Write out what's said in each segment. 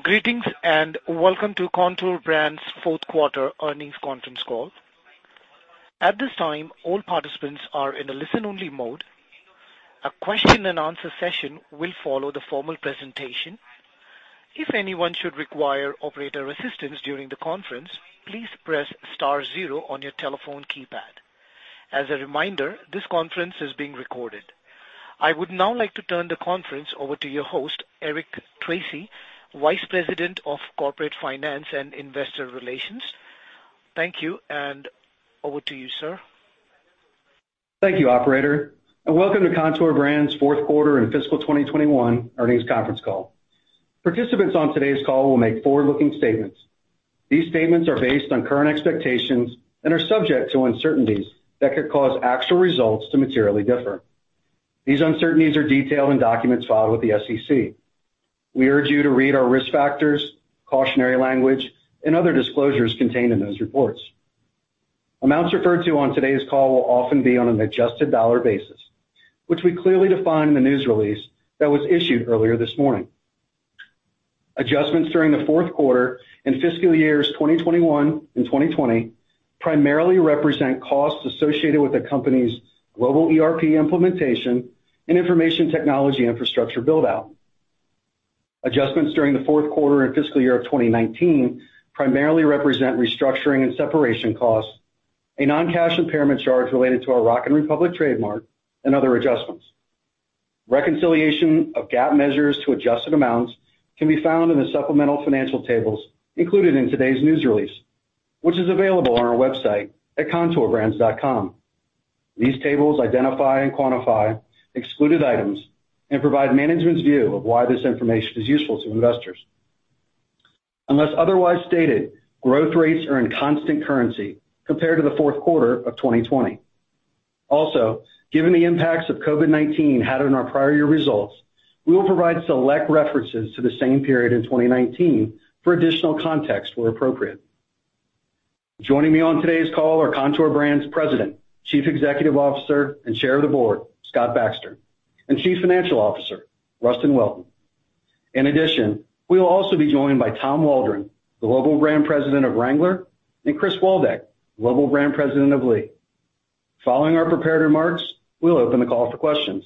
Greetings, and welcome to Kontoor Brands' Fourth Quarter Earnings Conference Call. At this time, all participants are in a listen-only mode. A question and answer session will follow the formal presentation. If anyone should require operator assistance during the conference, please press star zero on your telephone keypad. As a reminder, this conference is being recorded. I would now like to turn the conference over to your host, Eric Tracy, Vice President of Corporate Finance and Investor Relations. Thank you, and over to you, sir. Thank you, operator, and welcome to Kontoor Brands' Fourth Quarter and Fiscal 2021 Earnings Conference Call. Participants on today's call will make forward-looking statements. These statements are based on current expectations and are subject to uncertainties that could cause actual results to materially differ. These uncertainties are detailed in documents filed with the SEC. We urge you to read our risk factors, cautionary language, and other disclosures contained in those reports. Amounts referred to on today's call will often be on an adjusted dollar basis, which we clearly define in the news release that was issued earlier this morning. Adjustments during the fourth quarter and fiscal years 2021 and 2020 primarily represent costs associated with the company's global ERP implementation and information technology infrastructure build-out. Adjustments during the fourth quarter and fiscal year of 2019 primarily represent restructuring and separation costs, a non-cash impairment charge related to our Rock & Republic trademark and other adjustments. Reconciliation of GAAP measures to adjusted amounts can be found in the supplemental financial tables included in today's news release, which is available on our website at kontoorbrands.com. These tables identify and quantify excluded items and provide management's view of why this information is useful to investors. Unless otherwise stated, growth rates are in constant currency compared to the fourth quarter of 2020. Also, given the impacts of COVID-19 had on our prior year results, we will provide select references to the same period in 2019 for additional context where appropriate. Joining me on today's call are Kontoor Brands' President, Chief Executive Officer, and Chair of the Board, Scott Baxter, and Chief Financial Officer, Rustin Welton. In addition, we will also be joined by Tom Waldron, the Global Brand President of Wrangler, and Chris Waldeck, Global Brand President of Lee. Following our prepared remarks, we'll open the call for questions.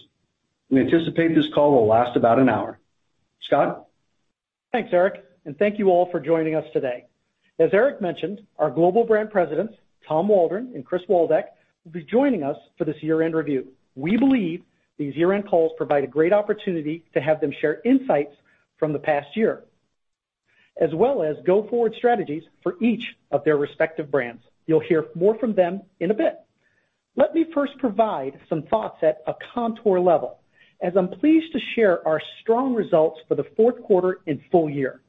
We anticipate this call will last about an hour. Scott? Thanks, Eric, and thank you all for joining us today. As Eric mentioned, our Global Brand Presidents, Tom Waldron and Chris Waldeck, will be joining us for this year-end review. We believe these year-end calls provide a great opportunity to have them share insights from the past year, as well as go-forward strategies for each of their respective brands. You'll hear more from them in a bit. Let me first provide some thoughts at a Kontoor level, as I'm pleased to share our strong results for the fourth quarter and full year.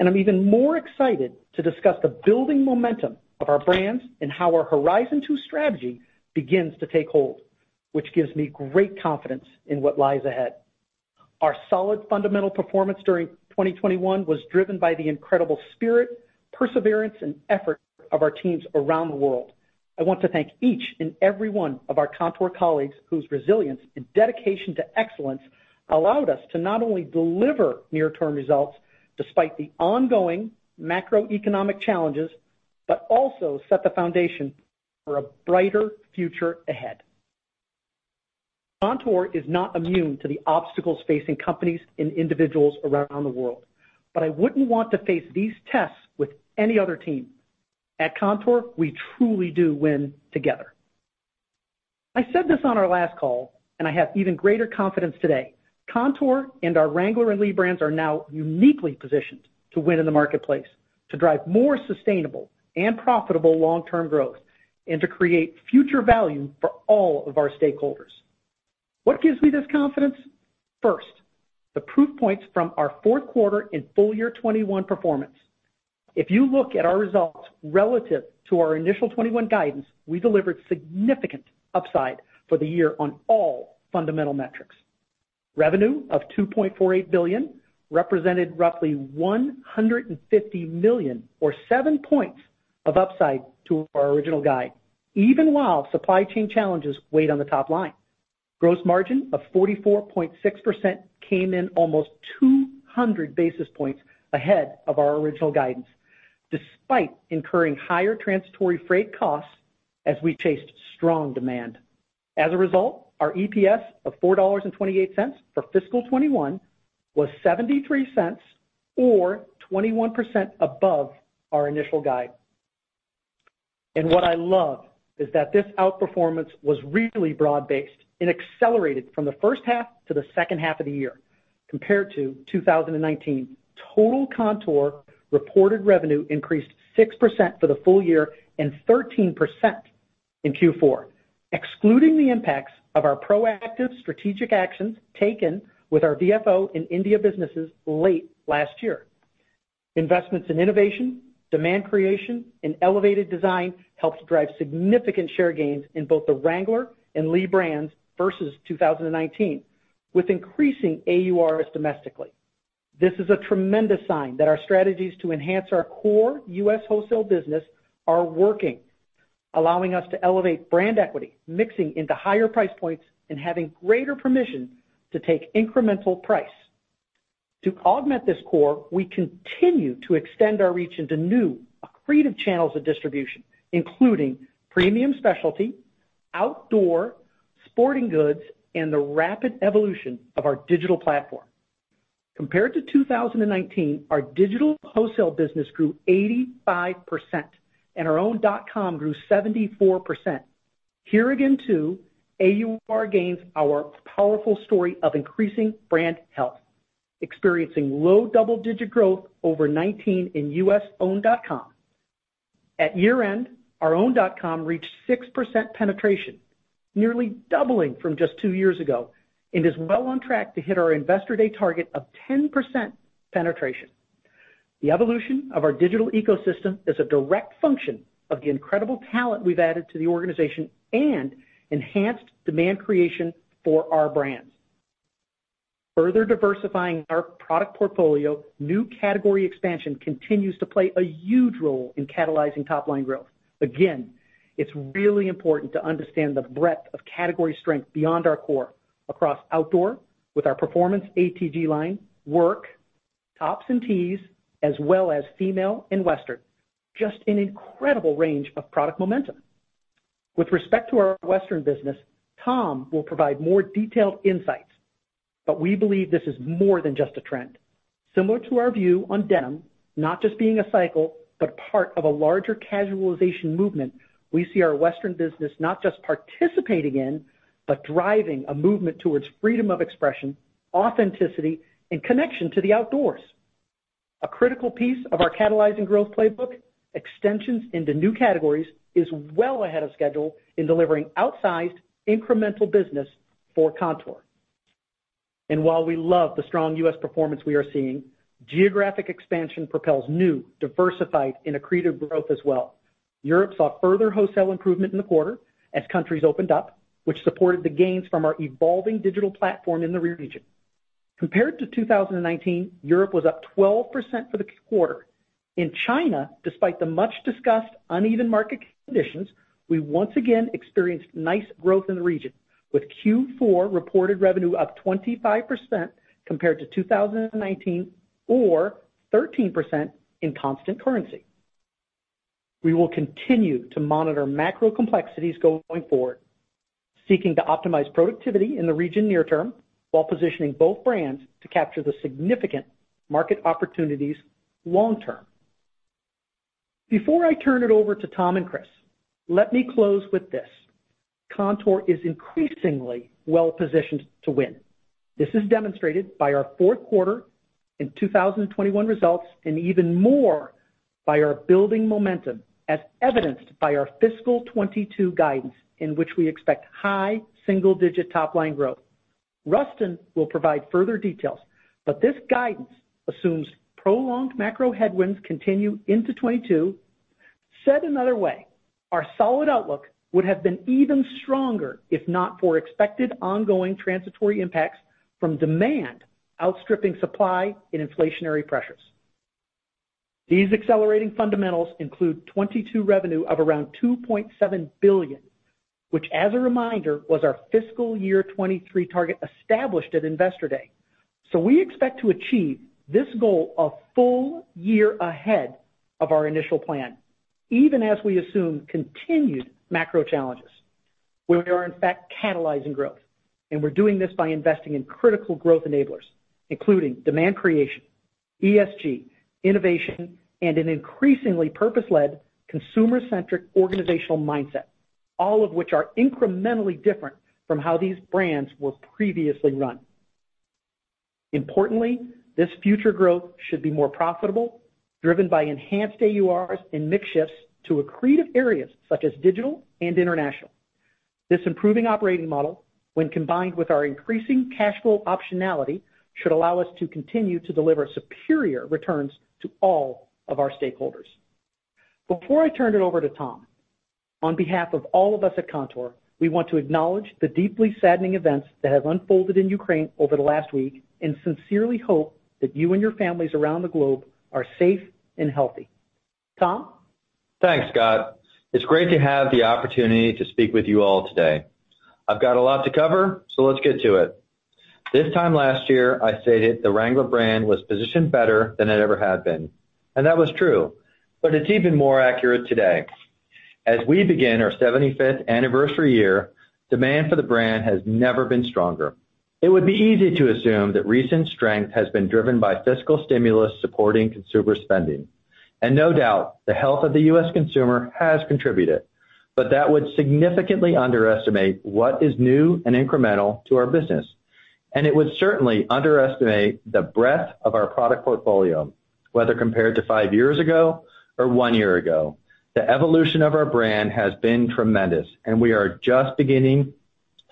I'm even more excited to discuss the building momentum of our brands and how our Horizon Two strategy begins to take hold, which gives me great confidence in what lies ahead. Our solid fundamental performance during 2021 was driven by the incredible spirit, perseverance, and effort of our teams around the world. I want to thank each and every one of our Kontoor colleagues whose resilience and dedication to excellence allowed us to not only deliver near-term results despite the ongoing macroeconomic challenges, but also set the foundation for a brighter future ahead. Kontoor is not immune to the obstacles facing companies and individuals around the world, but I wouldn't want to face these tests with any other team. At Kontoor, we truly do win together. I said this on our last call, and I have even greater confidence today. Kontoor and our Wrangler and Lee brands are now uniquely positioned to win in the marketplace, to drive more sustainable and profitable long-term growth, and to create future value for all of our stakeholders. What gives me this confidence? First, the proof points from our fourth quarter and full year 2021 performance. If you look at our results relative to our initial 2021 guidance, we delivered significant upside for the year on all fundamental metrics. Revenue of $2.48 billion represented roughly $150 million or 7 points of upside to our original guide, even while supply chain challenges weighed on the top line. Gross margin of 44.6% came in almost 200 basis points ahead of our original guidance, despite incurring higher transitory freight costs as we chased strong demand. As a result, our EPS of $4.28 for fiscal 2021 was $0.73 or 21% above our initial guide. What I love is that this outperformance was really broad-based and accelerated from the first half to the second half of the year compared to 2019. Kontoor reported revenue increased 6% for the full year and 13% in Q4, excluding the impacts of our proactive strategic actions taken with our DFO in India businesses late last year. Investments in innovation, demand creation, and elevated design helped drive significant share gains in both the Wrangler and Lee brands versus 2019, with increasing AURs domestically. This is a tremendous sign that our strategies to enhance our core U.S. wholesale business are working. Allowing us to elevate brand equity, mixing into higher price points, and having greater permission to take incremental price. To augment this core, we continue to extend our reach into new accretive channels of distribution, including premium specialty, outdoor, sporting goods, and the rapid evolution of our digital platform. Compared to 2019, our digital wholesale business grew 85%, and our own dot-com grew 74%. Here again to AUR gains our powerful story of increasing brand health, experiencing low double-digit growth over 2019 in U.S. own dot-com. At year-end, our own dot-com reached 6% penetration, nearly doubling from just two years ago, and is well on track to hit our Investor Day target of 10% penetration. The evolution of our digital ecosystem is a direct function of the incredible talent we've added to the organization and enhanced demand creation for our brands. Further diversifying our product portfolio, new category expansion continues to play a huge role in catalyzing top-line growth. Again, it's really important to understand the breadth of category strength beyond our core across outdoor with our performance ATG line, work, tops and tees, as well as female and western. Just an incredible range of product momentum. With respect to our western business, Tom will provide more detailed insights, but we believe this is more than just a trend. Similar to our view on denim, not just being a cycle, but part of a larger casualization movement, we see our western business not just participating in, but driving a movement towards freedom of expression, authenticity, and connection to the outdoors. A critical piece of our catalyzing growth playbook, extensions into new categories, is well ahead of schedule in delivering outsized incremental business for Kontoor. While we love the strong U.S. performance we are seeing, geographic expansion propels new, diversified, and accretive growth as well. Europe saw further wholesale improvement in the quarter as countries opened up, which supported the gains from our evolving digital platform in the region. Compared to 2019, Europe was up 12% for the quarter. In China, despite the much-discussed uneven market conditions, we once again experienced nice growth in the region, with Q4 reported revenue up 25% compared to 2019 or 13% in constant currency. We will continue to monitor macro complexities going forward, seeking to optimize productivity in the region near term while positioning both brands to capture the significant market opportunities long term. Before I turn it over to Tom and Chris, let me close with this. Kontoor is increasingly well positioned to win. This is demonstrated by our fourth quarter in 2021 results, and even more by our building momentum, as evidenced by our fiscal 2022 guidance, in which we expect high single-digit top line growth. Rustin will provide further details, but this guidance assumes prolonged macro headwinds continue into 2022. Said another way, our solid outlook would have been even stronger if not for expected ongoing transitory impacts from demand outstripping supply and inflationary pressures. These accelerating fundamentals include 2022 revenue of around $2.7 billion, which as a reminder, was our fiscal year 2023 target established at Investor Day. We expect to achieve this goal a full year ahead of our initial plan, even as we assume continued macro challenges. We are in fact catalyzing growth, and we're doing this by investing in critical growth enablers, including demand creation, ESG, innovation, and an increasingly purpose-led, consumer-centric organizational mindset, all of which are incrementally different from how these brands were previously run. Importantly, this future growth should be more profitable, driven by enhanced AURs and mix shifts to accretive areas such as digital and international. This improving operating model, when combined with our increasing cash flow optionality, should allow us to continue to deliver superior returns to all of our stakeholders. Before I turn it over to Tom, on behalf of all of us at Kontoor, we want to acknowledge the deeply saddening events that have unfolded in Ukraine over the last week, and sincerely hope that you and your families around the globe are safe and healthy. Tom? Thanks, Scott. It's great to have the opportunity to speak with you all today. I've got a lot to cover, so let's get to it. This time last year, I stated the Wrangler brand was positioned better than it ever had been, and that was true, but it's even more accurate today. As we begin our seventy-fifth anniversary year, demand for the brand has never been stronger. It would be easy to assume that recent strength has been driven by fiscal stimulus supporting consumer spending. No doubt, the health of the U.S. consumer has contributed, but that would significantly underestimate what is new and incremental to our business. It would certainly underestimate the breadth of our product portfolio, whether compared to five years ago or one year ago. The evolution of our brand has been tremendous, and we are just beginning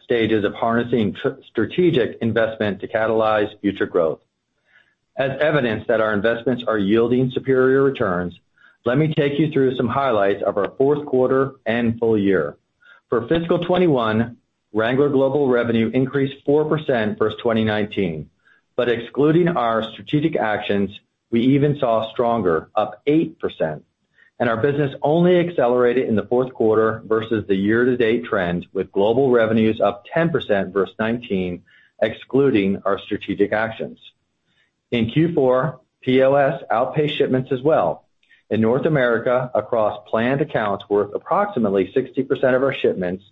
stages of harnessing strategic investment to catalyze future growth. As evidence that our investments are yielding superior returns, let me take you through some highlights of our fourth quarter and full year. For fiscal 2021, Wrangler global revenue increased 4% versus 2019. Excluding our strategic actions, we even saw stronger, up 8%. Our business only accelerated in the fourth quarter versus the year-to-date trend, with global revenues up 10% versus 2019, excluding our strategic actions. In Q4, POS outpaced shipments as well. In North America, across planned accounts worth approximately 60% of our shipments,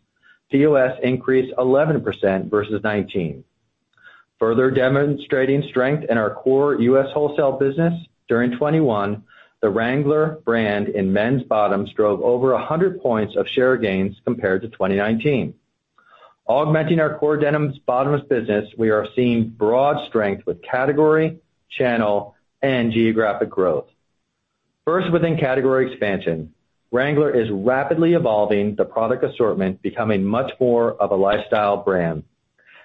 POS increased 11% versus 2019. Further demonstrating strength in our core U.S. wholesale business, during 2021, the Wrangler brand in men's bottoms drove over 100 points of share gains compared to 2019. Augmenting our core denims bottoms business, we are seeing broad strength with category, channel, and geographic growth. First, within category expansion, Wrangler is rapidly evolving the product assortment, becoming much more of a lifestyle brand.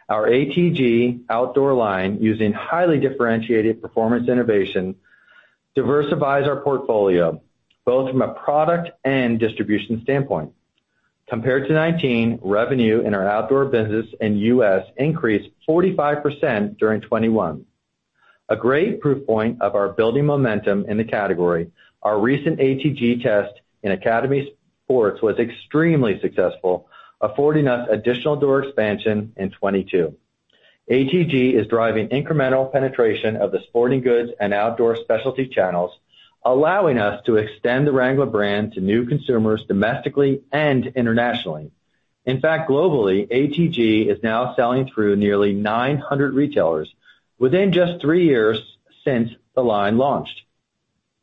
Our ATG outdoor line, using highly differentiated performance innovation, diversifies our portfolio, both from a product and distribution standpoint. Compared to 2019, revenue in our outdoor business in U.S. increased 45% during 2021. A great proof point of our building momentum in the category, our recent ATG test in Academy Sports was extremely successful, affording us additional door expansion in 2022. ATG is driving incremental penetration of the sporting goods and outdoor specialty channels, allowing us to extend the Wrangler brand to new consumers domestically and internationally. In fact, globally, ATG is now selling through nearly 900 retailers within just 3 years since the line launched.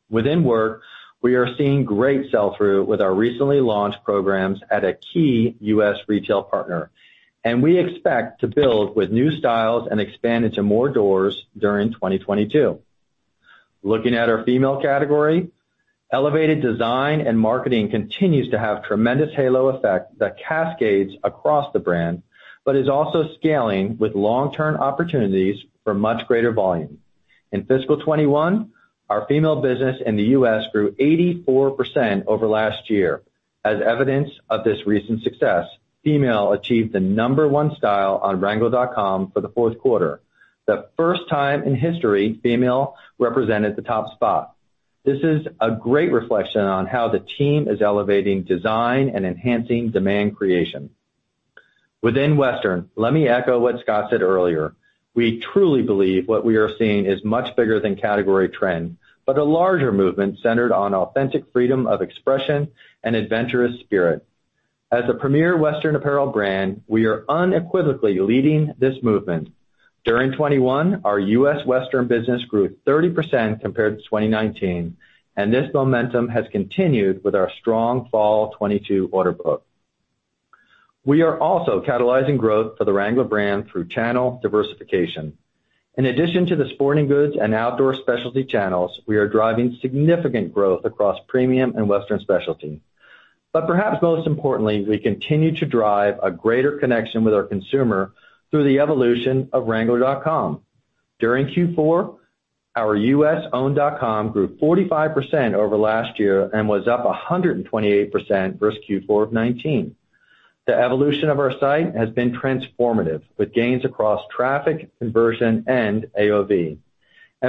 Within Wrangler, we are seeing great sell-through with our recently launched programs at a key U.S. retail partner, and we expect to build with new styles and expand into more doors during 2022. Looking at our female category, elevated design and marketing continues to have tremendous halo effect that cascades across the brand, but is also scaling with long-term opportunities for much greater volume. In fiscal 2021, our female business in the U.S. grew 84% over last year. As evidence of this recent success, female achieved the number 1 style on wrangler.com for the fourth quarter. The first time in history female represented the top spot. This is a great reflection on how the team is elevating design and enhancing demand creation. Within Western, let me echo what Scott said earlier. We truly believe what we are seeing is much bigger than category trend, but a larger movement centered on authentic freedom of expression and adventurous spirit. As a premier western apparel brand, we are unequivocally leading this movement. During 2021, our U.S. Western business grew 30% compared to 2019, and this momentum has continued with our strong fall 2022 order book. We are also catalyzing growth for the Wrangler brand through channel diversification. In addition to the sporting goods and outdoor specialty channels, we are driving significant growth across premium and western specialty. Perhaps most importantly, we continue to drive a greater connection with our consumer through the evolution of wrangler.com. During Q4, our U.S. owned.com grew 45% over last year and was up 128% versus Q4 of 2019. The evolution of our site has been transformative, with gains across traffic, conversion, and AOV.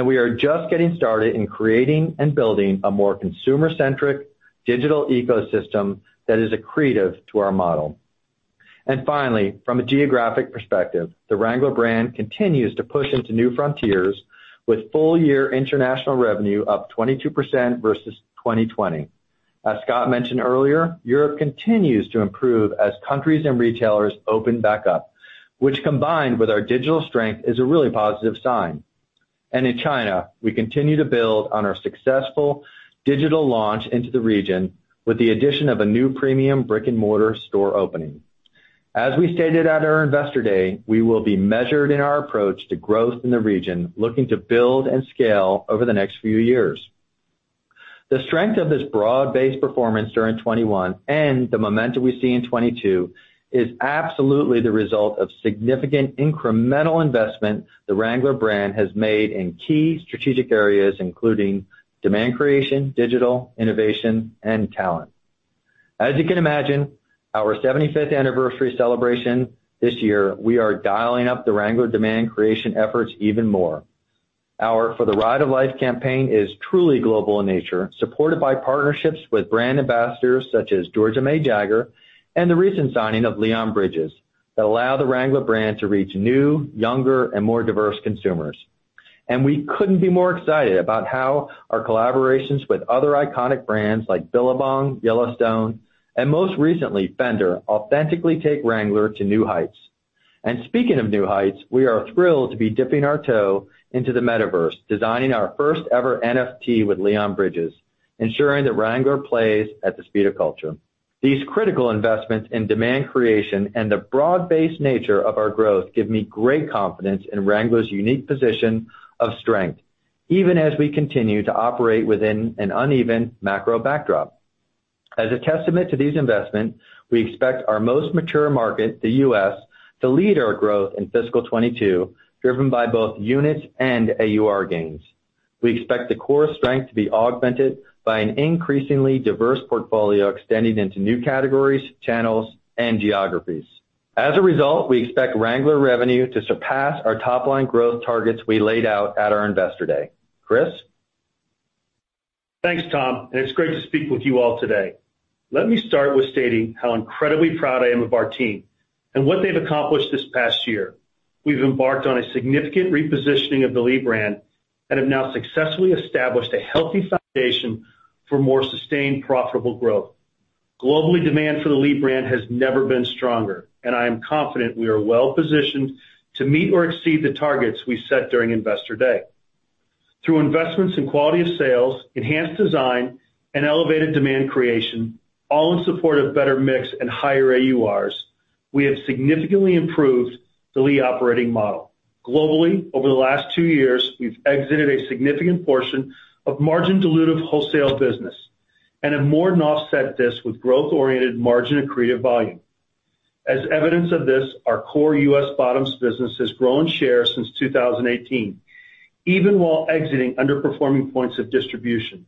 We are just getting started in creating and building a more consumer-centric digital ecosystem that is accretive to our model. Finally, from a geographic perspective, the Wrangler brand continues to push into new frontiers with full-year international revenue up 22% versus 2020. As Scott mentioned earlier, Europe continues to improve as countries and retailers open back up, which combined with our digital strength, is a really positive sign. In China, we continue to build on our successful digital launch into the region with the addition of a new premium brick-and-mortar store opening. As we stated at our Investor Day, we will be measured in our approach to growth in the region, looking to build and scale over the next few years. The strength of this broad-based performance during 2021 and the momentum we see in 2022 is absolutely the result of significant incremental investment the Wrangler brand has made in key strategic areas, including demand creation, digital, innovation, and talent. As you can imagine, our 75th anniversary celebration this year, we are dialing up the Wrangler demand creation efforts even more. Our For the Ride of Life campaign is truly global in nature, supported by partnerships with brand ambassadors such as Georgia May Jagger and the recent signing of Leon Bridges that allow the Wrangler brand to reach new, younger, and more diverse consumers. We couldn't be more excited about how our collaborations with other iconic brands like Billabong, Yellowstone, and most recently, Fender, authentically take Wrangler to new heights. Speaking of new heights, we are thrilled to be dipping our toe into the metaverse, designing our first ever NFT with Leon Bridges, ensuring that Wrangler plays at the speed of culture. These critical investments in demand creation and the broad-based nature of our growth give me great confidence in Wrangler's unique position of strength, even as we continue to operate within an uneven macro backdrop. As a testament to these investment, we expect our most mature market, the U.S., to lead our growth in fiscal 2022, driven by both units and AUR gains. We expect the core strength to be augmented by an increasingly diverse portfolio extending into new categories, channels, and geographies. As a result, we expect Wrangler revenue to surpass our top-line growth targets we laid out at our Investor Day. Chris? Thanks, Tom, and it's great to speak with you all today. Let me start with stating how incredibly proud I am of our team and what they've accomplished this past year. We've embarked on a significant repositioning of the Lee brand and have now successfully established a healthy foundation for more sustained profitable growth. Globally, demand for the Lee brand has never been stronger, and I am confident we are well-positioned to meet or exceed the targets we set during Investor Day. Through investments in quality of sales, enhanced design, and elevated demand creation, all in support of better mix and higher AURs, we have significantly improved the Lee operating model. Globally, over the last two years, we've exited a significant portion of margin-dilutive wholesale business and have more than offset this with growth-oriented margin accretive volume. As evidence of this, our core U.S. bottoms business has grown share since 2018, even while exiting underperforming points of distribution.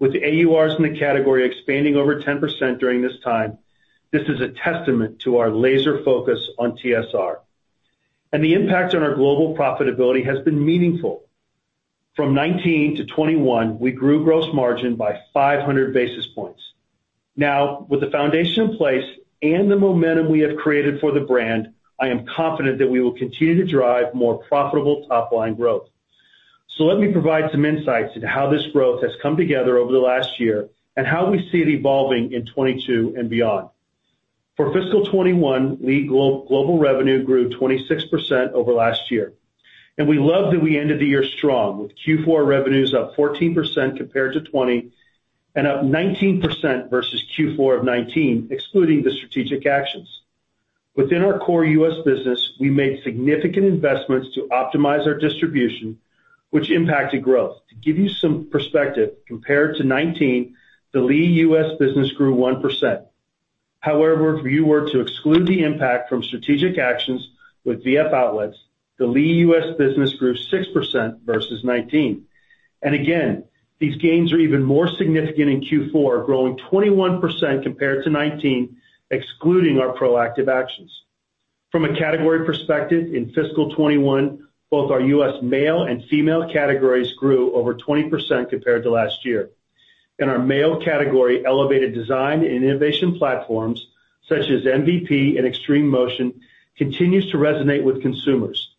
With AURs in the category expanding over 10% during this time, this is a testament to our laser focus on TSR. The impact on our global profitability has been meaningful. From 2019 to 2021, we grew gross margin by 500 basis points. Now, with the foundation in place and the momentum we have created for the brand, I am confident that we will continue to drive more profitable top-line growth. Let me provide some insights into how this growth has come together over the last year and how we see it evolving in 2022 and beyond. For fiscal 2021, Lee global revenue grew 26% over last year, and we love that we ended the year strong, with Q4 revenues up 14% compared to 2020 and up 19% versus Q4 of 2019, excluding the strategic actions. Within our core U.S. business, we made significant investments to optimize our distribution, which impacted growth. To give you some perspective, compared to 2019, the Lee U.S. business grew 1%. However, if you were to exclude the impact from strategic actions with VF Outlet, the Lee U.S. business grew 6% versus 2019. Again, these gains are even more significant in Q4, growing 21% compared to 2019, excluding our proactive actions. From a category perspective, in fiscal 2021, both our U.S. male and female categories grew over 20% compared to last year. In our male category, elevated design and innovation platforms, such as MVP and Extreme Motion, continues to resonate with consumers.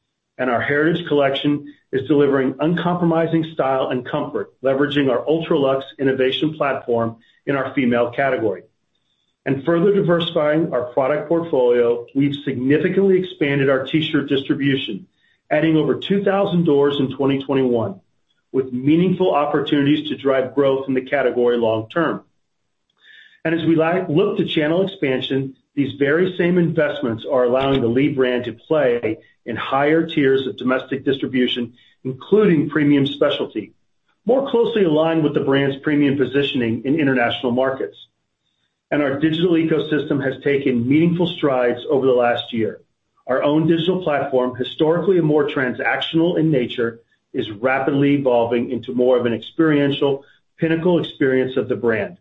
Our heritage collection is delivering uncompromising style and comfort, leveraging our UltraLux innovation platform in our female category. Further diversifying our product portfolio, we've significantly expanded our T-shirt distribution, adding over 2,000 doors in 2021, with meaningful opportunities to drive growth in the category long term. As we look to channel expansion, these very same investments are allowing the Lee brand to play in higher tiers of domestic distribution, including premium specialty, more closely aligned with the brand's premium positioning in international markets. Our digital ecosystem has taken meaningful strides over the last year. Our own digital platform, historically more transactional in nature, is rapidly evolving into more of an experiential pinnacle experience of the brand.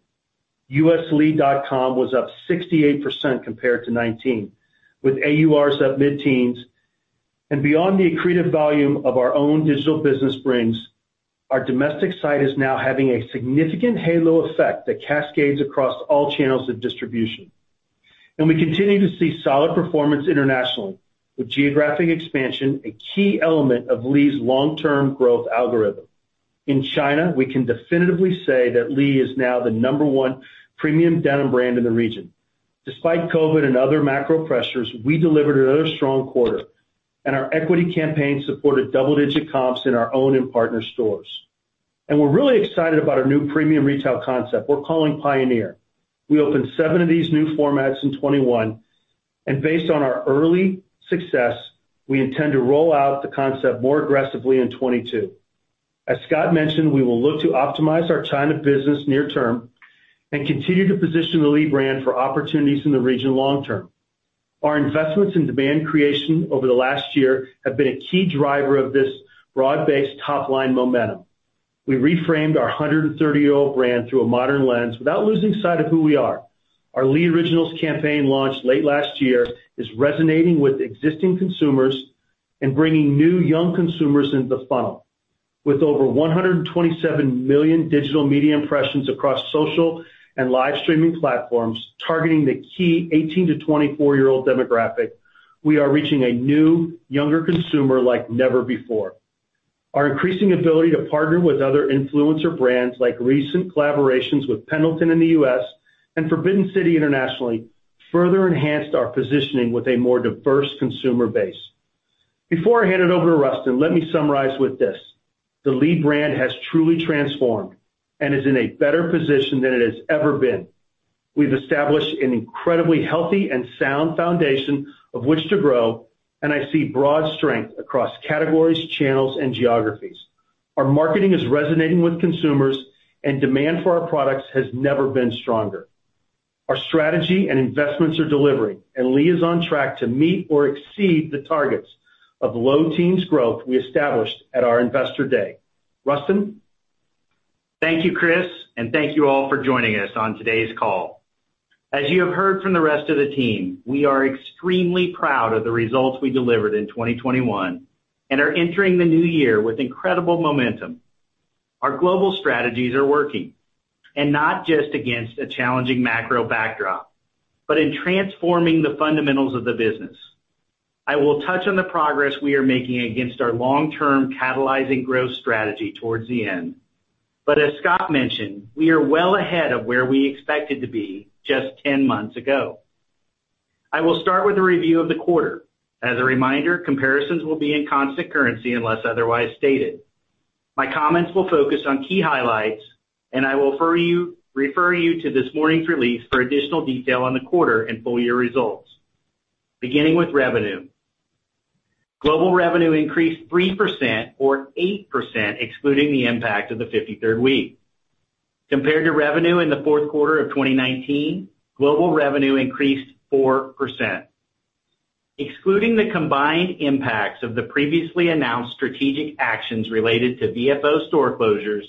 lee.com was up 68% compared to 2019, with AURs up mid-teens. Beyond the accretive volume of our own digital business brings, our domestic site is now having a significant halo effect that cascades across all channels of distribution. We continue to see solid performance internationally, with geographic expansion a key element of Lee's long-term growth algorithm. In China, we can definitively say that Lee is now the number one premium denim brand in the region. Despite COVID and other macro pressures, we delivered another strong quarter, and our equity campaign supported double-digit comps in our own and partner stores. We're really excited about our new premium retail concept we're calling Pioneer. We opened 7 of these new formats in 2021, and based on our early success, we intend to roll out the concept more aggressively in 2022. As Scott mentioned, we will look to optimize our China business near term and continue to position the Lee brand for opportunities in the region long term. Our investments in demand creation over the last year have been a key driver of this broad-based top-line momentum. We reframed our 130-year-old brand through a modern lens without losing sight of who we are. Our Lee Originals campaign, launched late last year, is resonating with existing consumers and bringing new young consumers into the funnel. With over 127 million digital media impressions across social and live streaming platforms, targeting the key 18- to 24-year-old demographic, we are reaching a new younger consumer like never before. Our increasing ability to partner with other influencer brands, like recent collaborations with Pendleton in the U.S. and Forbidden City internationally, further enhanced our positioning with a more diverse consumer base. Before I hand it over to Rustin, let me summarize with this: The Lee brand has truly transformed and is in a better position than it has ever been. We've established an incredibly healthy and sound foundation of which to grow, and I see broad strength across categories, channels, and geographies. Our marketing is resonating with consumers, and demand for our products has never been stronger. Our strategy and investments are delivering, and Lee is on track to meet or exceed the targets of low teens growth we established at our Investor Day. Rustin. Thank you, Chris, and thank you all for joining us on today's call. As you have heard from the rest of the team, we are extremely proud of the results we delivered in 2021 and are entering the new year with incredible momentum. Our global strategies are working, and not just against a challenging macro backdrop, but in transforming the fundamentals of the business. I will touch on the progress we are making against our long-term catalyzing growth strategy towards the end. As Scott mentioned, we are well ahead of where we expected to be just 10 months ago. I will start with a review of the quarter. As a reminder, comparisons will be in constant currency unless otherwise stated. My comments will focus on key highlights, and I will refer you to this morning's release for additional detail on the quarter and full year results. Beginning with revenue. Global revenue increased 3% or 8%, excluding the impact of the 53rd week. Compared to revenue in the fourth quarter of 2019, global revenue increased 4%. Excluding the combined impacts of the previously announced strategic actions related to VFO store closures,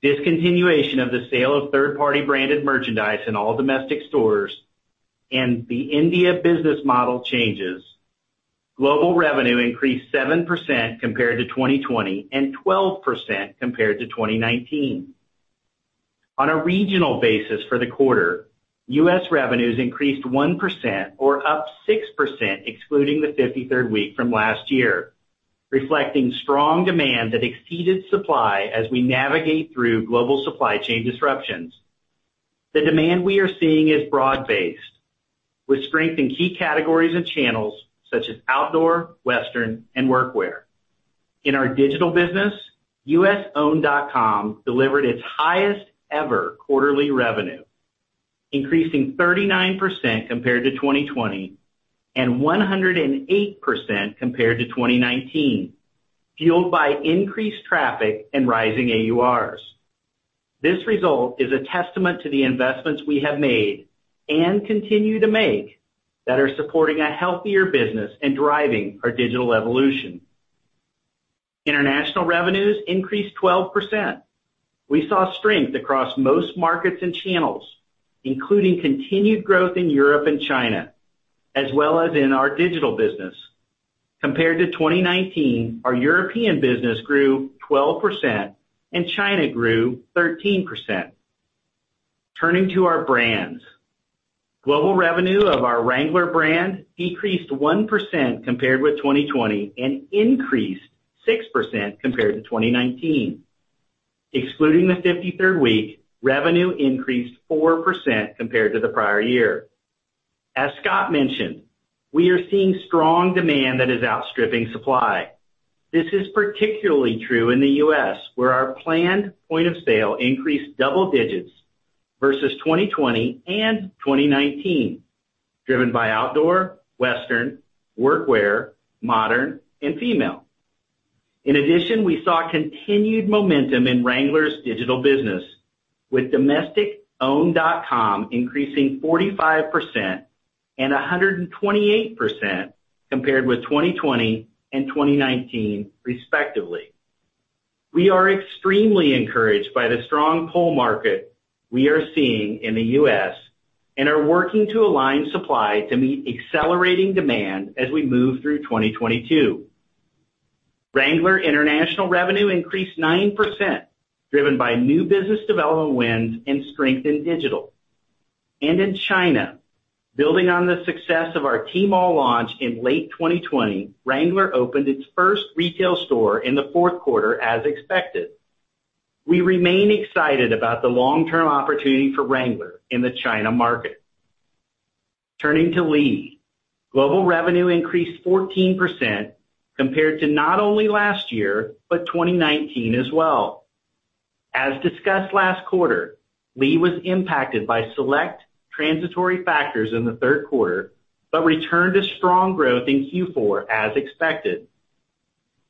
discontinuation of the sale of third-party branded merchandise in all domestic stores, and the India business model changes, global revenue increased 7% compared to 2020 and 12% compared to 2019. On a regional basis for the quarter, U.S. revenues increased 1% or up 6%, excluding the 53rd week from last year, reflecting strong demand that exceeded supply as we navigate through global supply chain disruptions. The demand we are seeing is broad-based, with strength in key categories and channels such as outdoor, western, and workwear. In our digital business, own.com delivered its highest ever quarterly revenue, increasing 39% compared to 2020 and 108% compared to 2019, fueled by increased traffic and rising AURs. This result is a testament to the investments we have made and continue to make that are supporting a healthier business and driving our digital evolution. International revenues increased 12%. We saw strength across most markets and channels, including continued growth in Europe and China, as well as in our digital business. Compared to 2019, our European business grew 12% and China grew 13%. Turning to our brands. Global revenue of our Wrangler brand decreased 1% compared with 2020 and increased 6% compared to 2019. Excluding the fifty-third week, revenue increased 4% compared to the prior year. As Scott mentioned, we are seeing strong demand that is outstripping supply. This is particularly true in the U.S., where our planned point of sale increased double digits versus 2020 and 2019, driven by outdoor, western, workwear, modern, and female. In addition, we saw continued momentum in Wrangler's digital business, with domestic wrangler.com increasing 45% and 128% compared with 2020 and 2019, respectively. We are extremely encouraged by the strong pull market we are seeing in the U.S. and are working to align supply to meet accelerating demand as we move through 2022. Wrangler international revenue increased 9%, driven by new business development wins and strength in digital. In China, building on the success of our Tmall launch in late 2020, Wrangler opened its first retail store in the fourth quarter as expected. We remain excited about the long-term opportunity for Wrangler in the China market. Turning to Lee. Global revenue increased 14% compared to not only last year, but 2019 as well. As discussed last quarter, Lee was impacted by select transitory factors in the third quarter, but returned to strong growth in Q4 as expected.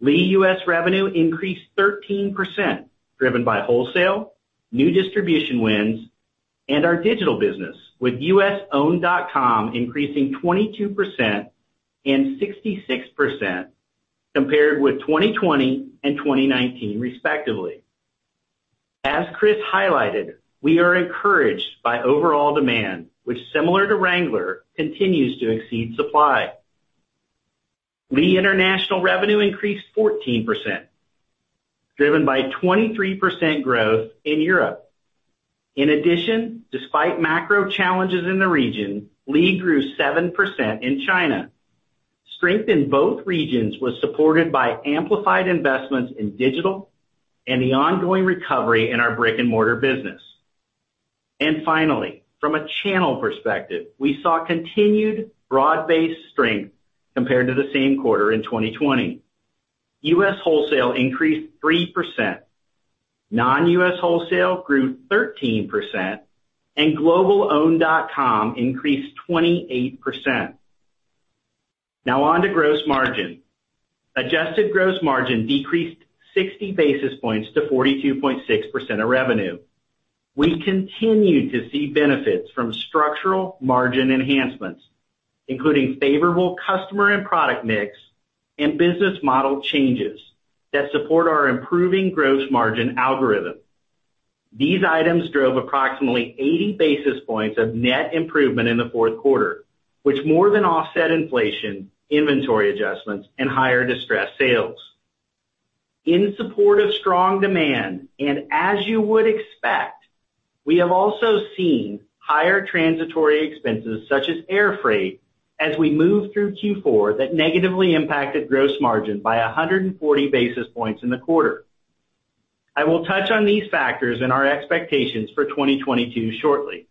Lee U.S. revenue increased 13%, driven by wholesale, new distribution wins, and our digital business, with US own.com increasing 22% and 66% compared with 2020 and 2019, respectively. As Chris highlighted, we are encouraged by overall demand, which, similar to Wrangler, continues to exceed supply. Lee international revenue increased 14%, driven by 23% growth in Europe. In addition, despite macro challenges in the region, Lee grew 7% in China. Strength in both regions was supported by amplified investments in digital and the ongoing recovery in our brick-and-mortar business. Finally, from a channel perspective, we saw continued broad-based strength compared to the same quarter in 2020. U.S. wholesale increased 3%, non-U.S. wholesale grew 13%, and global owned.com increased 28%. Now on to gross margin. Adjusted gross margin decreased 60 basis points to 42.6% of revenue. We continue to see benefits from structural margin enhancements, including favorable customer and product mix and business model changes that support our improving gross margin algorithm. These items drove approximately 80 basis points of net improvement in the fourth quarter, which more than offset inflation, inventory adjustments and higher distressed sales. In support of strong demand, and as you would expect, we have also seen higher transitory expenses such as air freight as we move through Q4 that negatively impacted gross margin by 140 basis points in the quarter. I will touch on these factors and our expectations for 2022 shortly.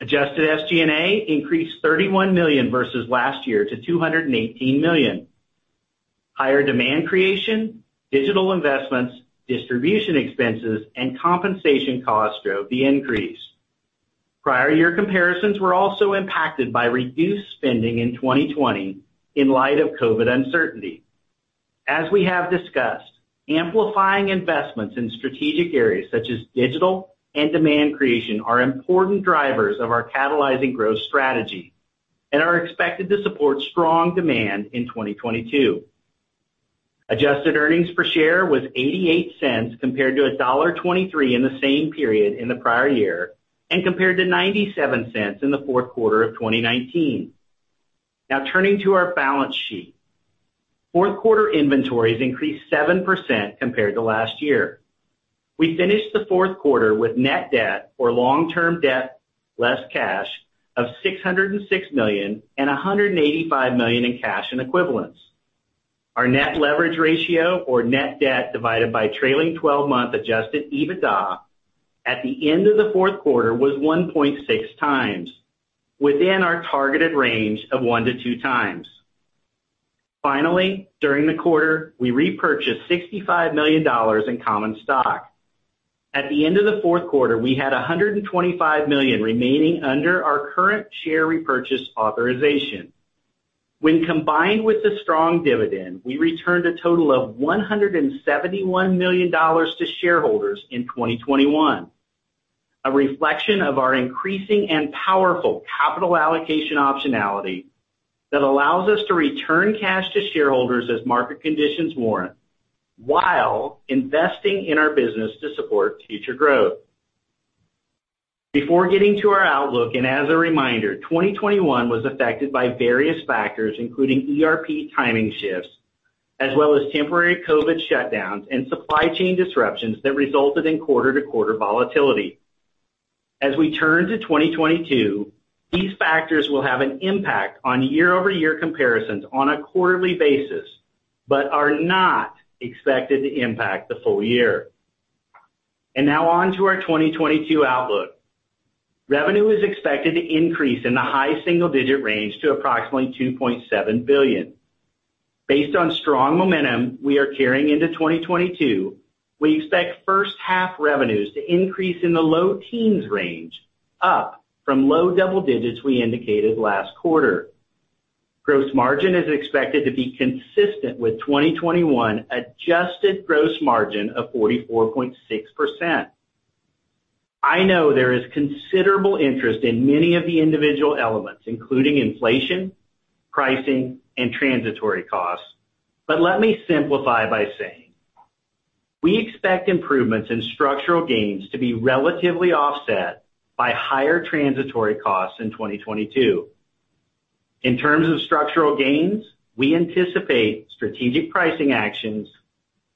Adjusted SG&A increased $31 million versus last year to $218 million. Higher demand creation, digital investments, distribution expenses and compensation costs drove the increase. Prior year comparisons were also impacted by reduced spending in 2020 in light of COVID uncertainty. As we have discussed, amplifying investments in strategic areas such as digital and demand creation are important drivers of our catalyzing growth strategy and are expected to support strong demand in 2022. Adjusted earnings per share was $0.88 compared to $1.23 in the same period in the prior year and compared to $0.97 in the fourth quarter of 2019. Now turning to our balance sheet. Fourth quarter inventories increased 7% compared to last year. We finished the fourth quarter with net debt or long-term debt, less cash of $606 million and $185 million in cash and equivalents. Our net leverage ratio or net debt divided by trailing twelve-month adjusted EBITDA at the end of the fourth quarter was 1.6 times within our targeted range of 1-2 times. Finally, during the quarter, we repurchased $65 million in common stock. At the end of the fourth quarter, we had $125 million remaining under our current share repurchase authorization. When combined with the strong dividend, we returned a total of $171 million to shareholders in 2021, a reflection of our increasing and powerful capital allocation optionality that allows us to return cash to shareholders as market conditions warrant while investing in our business to support future growth. Before getting to our outlook, and as a reminder, 2021 was affected by various factors, including ERP timing shifts, as well as temporary COVID shutdowns and supply chain disruptions that resulted in quarter-to-quarter volatility. As we turn to 2022, these factors will have an impact on year-over-year comparisons on a quarterly basis, but are not expected to impact the full year. Now on to our 2022 outlook. Revenue is expected to increase in the high single digit range to approximately $2.7 billion. Based on strong momentum we are carrying into 2022, we expect first half revenues to increase in the low teens range, up from low double digits we indicated last quarter. Gross margin is expected to be consistent with 2021 adjusted gross margin of 44.6%. I know there is considerable interest in many of the individual elements, including inflation, pricing, and transitory costs. Let me simplify by saying, we expect improvements in structural gains to be relatively offset by higher transitory costs in 2022. In terms of structural gains, we anticipate strategic pricing actions,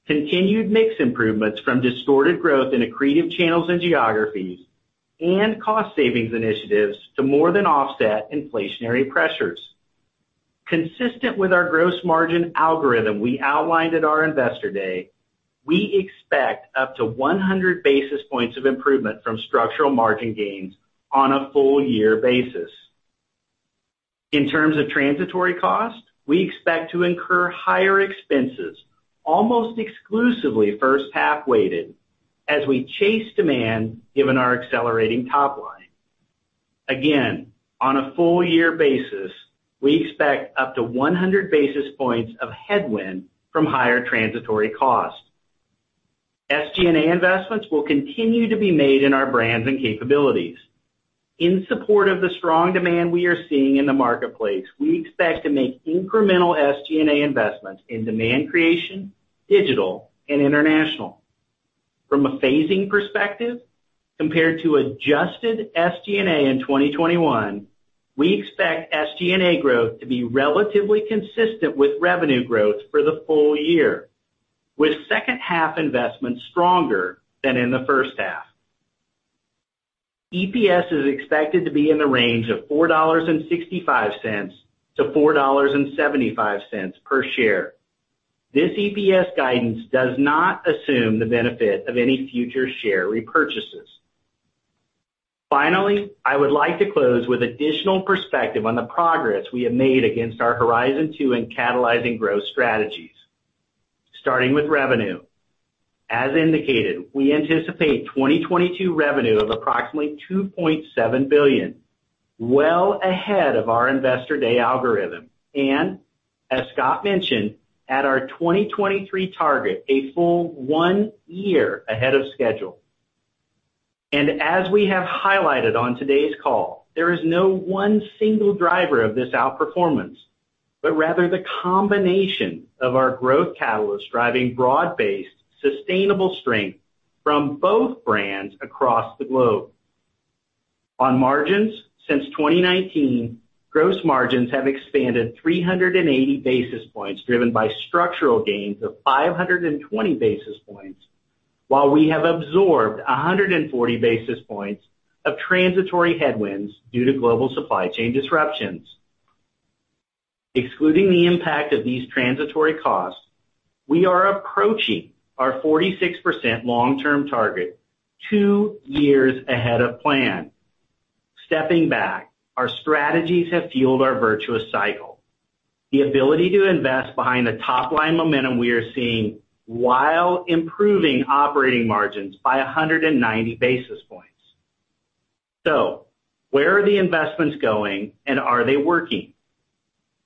continued mix improvements from distorted growth in accretive channels and geographies, and cost savings initiatives to more than offset inflationary pressures. Consistent with our gross margin algorithm we outlined at our Investor Day, we expect up to 100 basis points of improvement from structural margin gains on a full year basis. In terms of transitory cost, we expect to incur higher expenses, almost exclusively first half weighted as we chase demand given our accelerating top line. Again, on a full year basis, we expect up to 100 basis points of headwind from higher transitory costs. SG&A investments will continue to be made in our brands and capabilities. In support of the strong demand we are seeing in the marketplace, we expect to make incremental SG&A investments in demand creation, digital and international. From a phasing perspective, compared to adjusted SG&A in 2021, we expect SG&A growth to be relatively consistent with revenue growth for the full year, with second half investments stronger than in the first half. EPS is expected to be in the range of $4.65-$4.75 per share. This EPS guidance does not assume the benefit of any future share repurchases. Finally, I would like to close with additional perspective on the progress we have made against our Horizon Two and catalyzing growth strategies. Starting with revenue. As indicated, we anticipate 2022 revenue of approximately $2.7 billion, well ahead of our Investor Day algorithm. As Scott mentioned, at our 2023 target, a full one year ahead of schedule. As we have highlighted on today's call, there is no one single driver of this outperformance, but rather the combination of our growth catalysts driving broad-based, sustainable strength from both brands across the globe. On margins, since 2019, gross margins have expanded 380 basis points, driven by structural gains of 520 basis points, while we have absorbed 140 basis points of transitory headwinds due to global supply chain disruptions. Excluding the impact of these transitory costs, we are approaching our 46% long-term target two years ahead of plan. Stepping back, our strategies have fueled our virtuous cycle, the ability to invest behind the top line momentum we are seeing while improving operating margins by 190 basis points. Where are the investments going and are they working?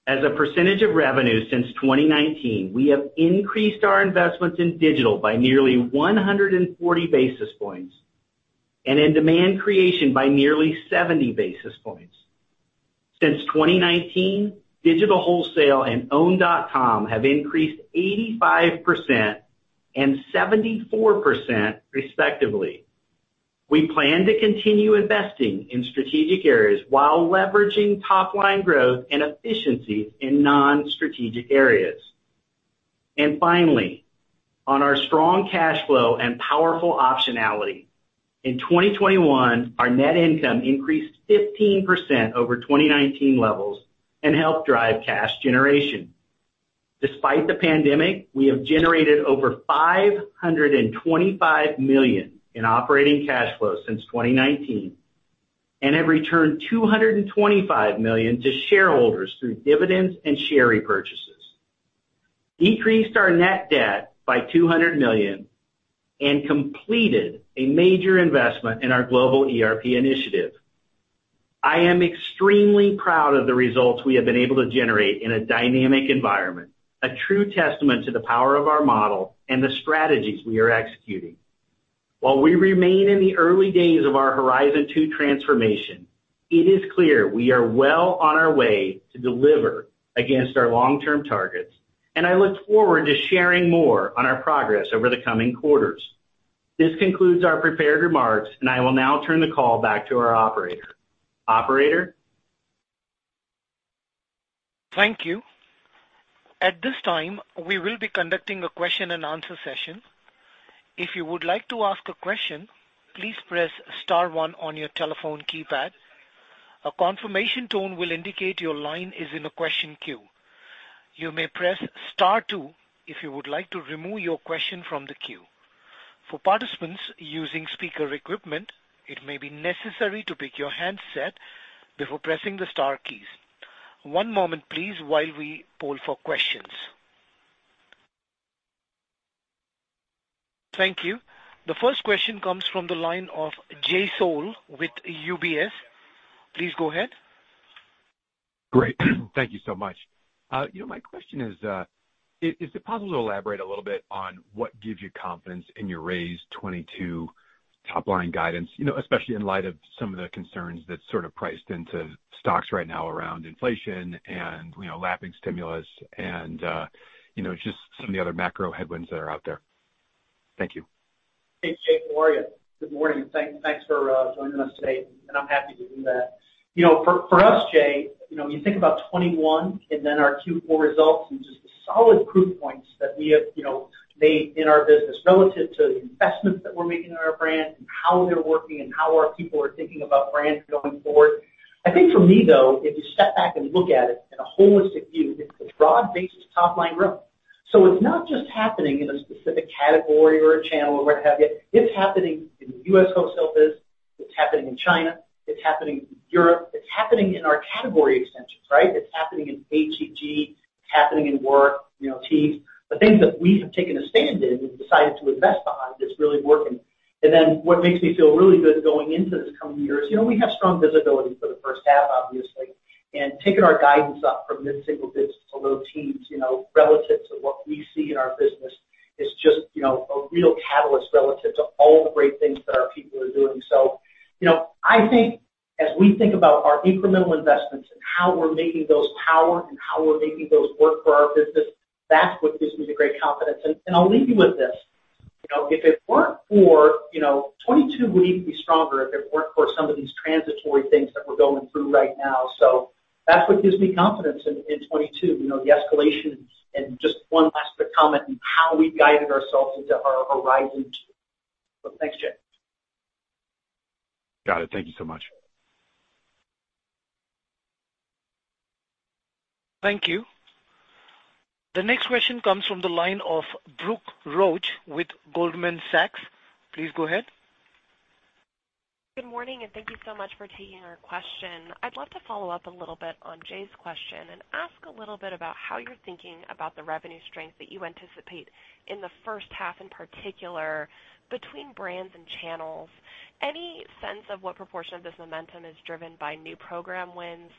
As a percentage of revenue since 2019, we have increased our investments in digital by nearly 140 basis points and in demand creation by nearly 70 basis points. Since 2019, digital wholesale and own.com have increased 85% and 74% respectively. We plan to continue investing in strategic areas while leveraging top line growth and efficiency in non-strategic areas. Finally, on our strong cash flow and powerful optionality. In 2021, our net income increased 15% over 2019 levels and helped drive cash generation. Despite the pandemic, we have generated over $525 million in operating cash flow since 2019 and have returned $225 million to shareholders through dividends and share repurchases, decreased our net debt by $200 million, and completed a major investment in our global ERP initiative. I am extremely proud of the results we have been able to generate in a dynamic environment, a true testament to the power of our model and the strategies we are executing. While we remain in the early days of our Horizon Two transformation, it is clear we are well on our way to deliver against our long-term targets, and I look forward to sharing more on our progress over the coming quarters. This concludes our prepared remarks, and I will now turn the call back to our operator. Operator? Thank you. At this time, we will be conducting a question and answer session. If you would like to ask a question, please press star one on your telephone keypad. A confirmation tone will indicate your line is in a question queue. You may press star two if you would like to remove your question from the queue. For participants using speaker equipment, it may be necessary to pick your handset before pressing the star keys. One moment please while we poll for questions. Thank you. The first question comes from the line of Jay Sole with UBS. Please go ahead. Great. Thank you so much. You know, my question is it possible to elaborate a little bit on what gives you confidence in your raised 22 top line guidance? You know, especially in light of some of the concerns that sort of priced into stocks right now around inflation and, you know, lapping stimulus and, you know, just some of the other macro headwinds that are out there. Thank you. Hey, Jay. How are you? Good morning. Thanks for joining us today, and I'm happy to do that. You know, for us, Jay, you know, you think about 21 and then our Q4 results and just the solid proof points that we have, you know, made in our business relative to the investments that we're making in our brand and how they're working and how our people are thinking about brands going forward. I think for me, though, if you step back and look at it in a holistic view, it's a broad-based top line growth. It's not just happening in a specific category or a channel or what have you. It's happening in U.S. wholesale biz. It's happening in China. It's happening in Europe. It's happening in our category extensions, right? It's happening in ATG. It's happening in work, you know, teams. The things that we have taken a stand in and decided to invest behind is really working. Then what makes me feel really good going into this coming year is, you know, we have strong visibility for the first half, obviously, and taking our guidance up from mid-single digits to low teens, you know, relative to what we see in our business is just, you know, a real catalyst relative to all the great things that our people are doing. You know, I think as we think about our incremental investments and how we're making those pay off and how we're making those work for our business, that's what gives me the great confidence. I'll leave you with this. You know, if it weren't for, you know, 2022 would even be stronger if it weren't for some of these transitory things that we're going through right now. That's what gives me confidence in 2022. You know, the escalation and just one last quick comment in how we guided ourselves into our Horizon Two. Thanks, Jay. Got it. Thank you so much. Thank you. The next question comes from the line of Brooke Roach with Goldman Sachs. Please go ahead. Good morning, and thank you so much for taking our question. I'd love to follow up a little bit on Jay's question and ask a little bit about how you're thinking about the revenue strength that you anticipate in the first half, in particular between brands and channels. Any sense of what proportion of this momentum is driven by new program wins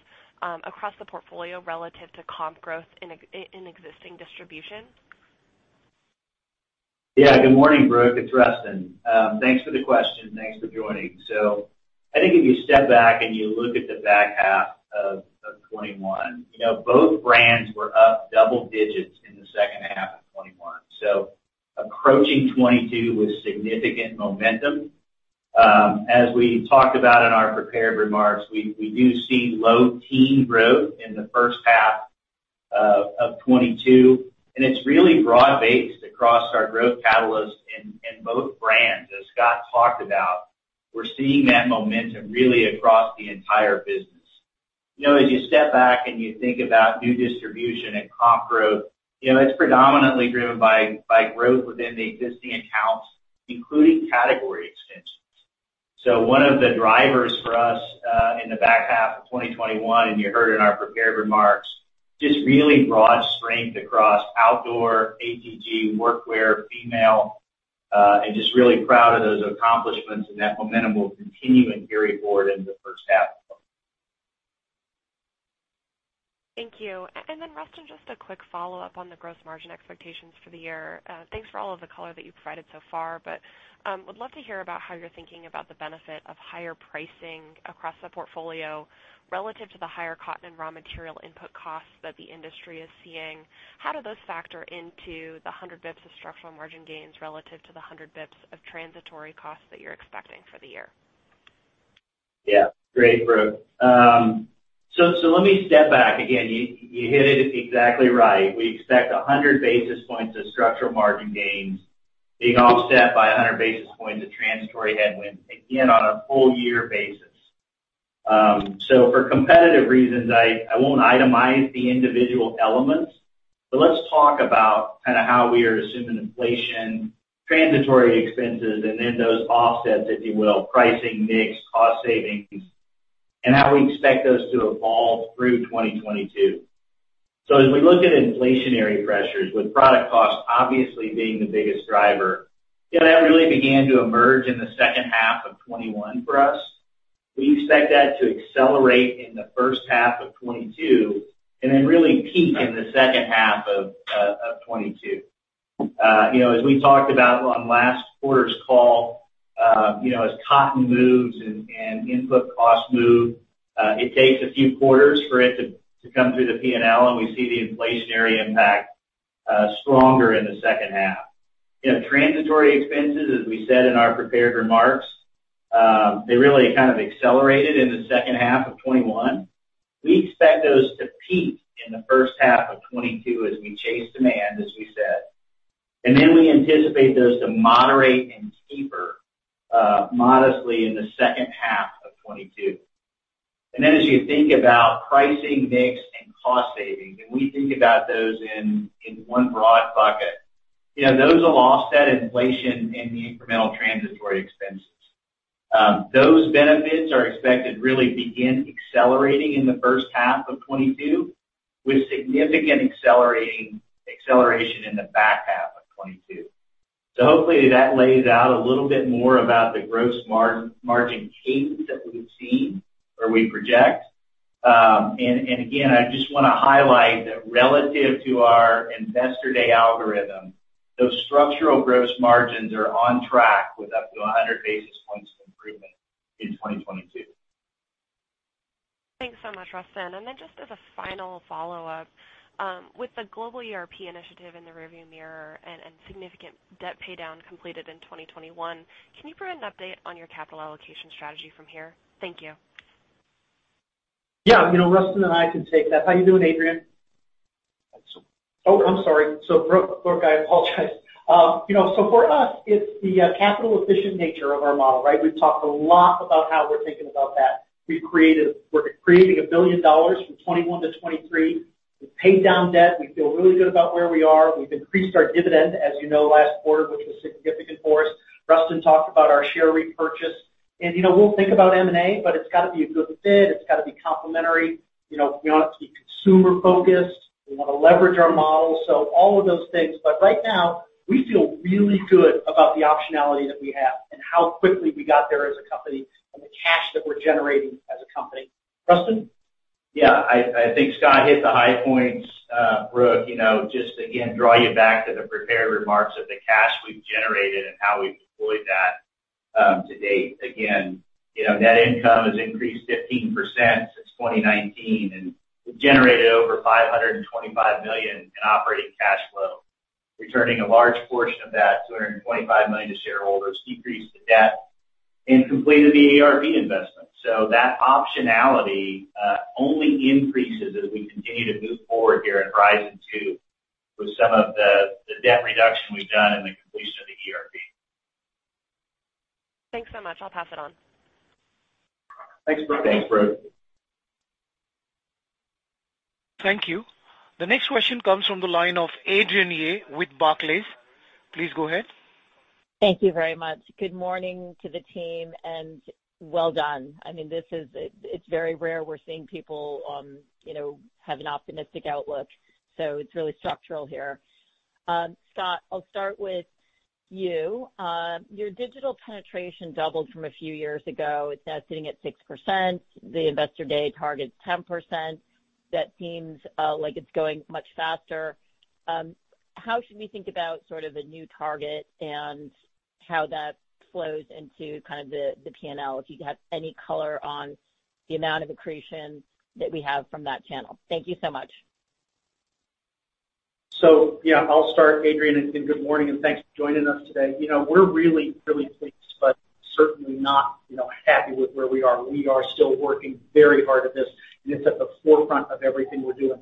across the portfolio relative to comp growth in existing distribution? Yeah. Good morning, Brooke. It's Rustin. Thanks for the question. Thanks for joining. I think if you step back and you look at the back half of 2021, you know, both brands were up double digits in the second half of 2021, so approaching 2022 with significant momentum. As we talked about in our prepared remarks, we do see low teen growth in the first half of 2022, and it's really broad-based across our growth catalyst in both brands, as Scott talked about. We're seeing that momentum really across the entire business. You know, as you step back and you think about new distribution and comp growth, you know, it's predominantly driven by growth within the existing accounts, including category extensions. One of the drivers for us, in the back half of 2021, and you heard in our prepared remarks, just really broad strength across outdoor, ATG, work wear, female, and just really proud of those accomplishments, and that momentum will continue and carry forward into the first half as well. Thank you. Rustin, just a quick follow-up on the gross margin expectations for the year. Thanks for all of the color that you've provided so far, but would love to hear about how you're thinking about the benefit of higher pricing across the portfolio relative to the higher cotton and raw material input costs that the industry is seeing. How do those factor into the 100 basis points of structural margin gains relative to the 100 basis points of transitory costs that you're expecting for the year? Yeah. Great, Brooke. Let me step back. Again, you hit it exactly right. We expect 100 basis points of structural margin gains being offset by 100 basis points of transitory headwinds, again, on a full year basis. For competitive reasons, I won't itemize the individual elements, but let's talk about kinda how we are assuming inflation, transitory expenses, and then those offsets, if you will, pricing, mix, cost savings, and how we expect those to evolve through 2022. As we look at inflationary pressures with product costs obviously being the biggest driver, you know, that really began to emerge in the second half of 2021 for us. We expect that to accelerate in the first half of 2022 and then really peak in the second half of 2022. You know, as we talked about on last quarter's call, you know, as cotton moves and input costs move, it takes a few quarters for it to come through the P&L, and we see the inflationary impact stronger in the second half. You know, transitory expenses, as we said in our prepared remarks, they really kind of accelerated in the second half of 2021. We expect those to peak in the first half of 2022 as we chase demand, as we said. Then we anticipate those to moderate and taper modestly in the second half of 2022. Then as you think about pricing, mix, and cost savings, and we think about those in one broad bucket, you know, those will offset inflation and the incremental transitory expenses. Those benefits are expected to really begin accelerating in the first half of 2022 with significant acceleration in the back half of 2022. Hopefully that lays out a little bit more about the gross margin case that we've seen or we project. Again, I just wanna highlight that relative to our Investor Day algorithm, those structural gross margins are on track with up to 100 basis points improvement in 2022. Thanks so much, Rustin. Just as a final follow-up, with the global ERP initiative in the rearview mirror and significant debt pay down completed in 2021, can you provide an update on your capital allocation strategy from here? Thank you. Yeah. You know, Rustin and I can take that. How you doing, Adrienne? Excellent. Oh, I'm sorry. Brooke, I apologize. You know, for us, it's the capital efficient nature of our model, right? We've talked a lot about how we're thinking about that. We're creating $1 billion from 2021 to 2023 to pay down debt. We feel really good about where we are. We've increased our dividend, as you know, last quarter, which was significant for us. Rustin talked about our share repurchase. You know, we'll think about M&A, but it's gotta be a good fit. It's gotta be complementary. You know, we want it to be consumer focused. We wanna leverage our model. All of those things. Right now, we feel really good about the optionality that we have and how quickly we got there as a company and the cash that we're generating as a company. Rustin? Yeah. I think Scott hit the high points, Brooke. You know, just again, draw you back to the prepared remarks of the cash we've generated and how we've deployed that to date. Again, you know, net income has increased 15% since 2019, and we've generated over $525 million in operating cash flow, returning a large portion of that $225 million to shareholders, decreased the debt, and completed the ERP investment. That optionality only increases as we continue to move forward here in Horizon Two with some of the debt reduction we've done and the completion of the ERP. Thanks so much. I'll pass it on. Thanks, Brooke. Thanks, Brooke. Thank you. The next question comes from the line of Adrienne Yih with Barclays. Please go ahead. Thank you very much. Good morning to the team, and well done. I mean, this is very rare we're seeing people have an optimistic outlook, so it's really structural here. Scott, I'll start with you. Your digital penetration doubled from a few years ago. It's now sitting at 6%. The Investor Day target's 10%. That seems like it's going much faster. How should we think about sort of a new target and how that flows into kind of the P&L? If you have any color on the amount of accretion that we have from that channel. Thank you so much. Yeah, I'll start, Adrienne, and good morning, and thanks for joining us today. You know, we're really pleased, but certainly not, you know, happy with where we are. We are still working very hard at this, and it's at the forefront of everything we're doing.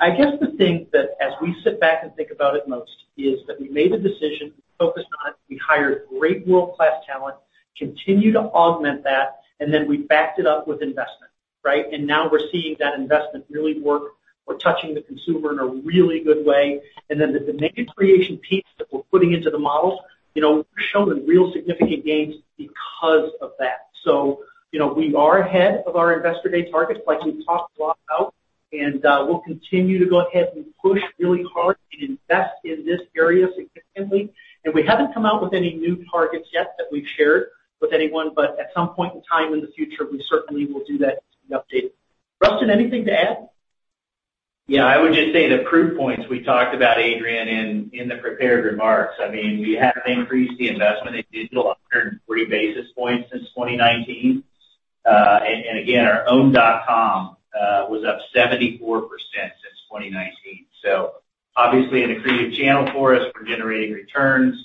I guess the thing that, as we sit back and think about it most is that we made the decision, focused on it, we hired great world-class talent, continue to augment that, and then we backed it up with investment, right? Now we're seeing that investment really work. We're touching the consumer in a really good way. Then the demand creation piece that we're putting into the models, you know, we're showing real significant gains because of that. You know, we are ahead of our Investor Day targets, like we've talked a lot about, and we'll continue to go ahead and push really hard and invest in this area significantly. We haven't come out with any new targets yet that we've shared with anyone, but at some point in time in the future, we certainly will do that as we update. Rustin, anything to add? Yeah, I would just say the proof points we talked about, Adrienne, in the prepared remarks. I mean, we have increased the investment in digital 103 basis points since 2019. And again, our own dot com was up 74% since 2019. Obviously an accretive channel for us. We're generating returns,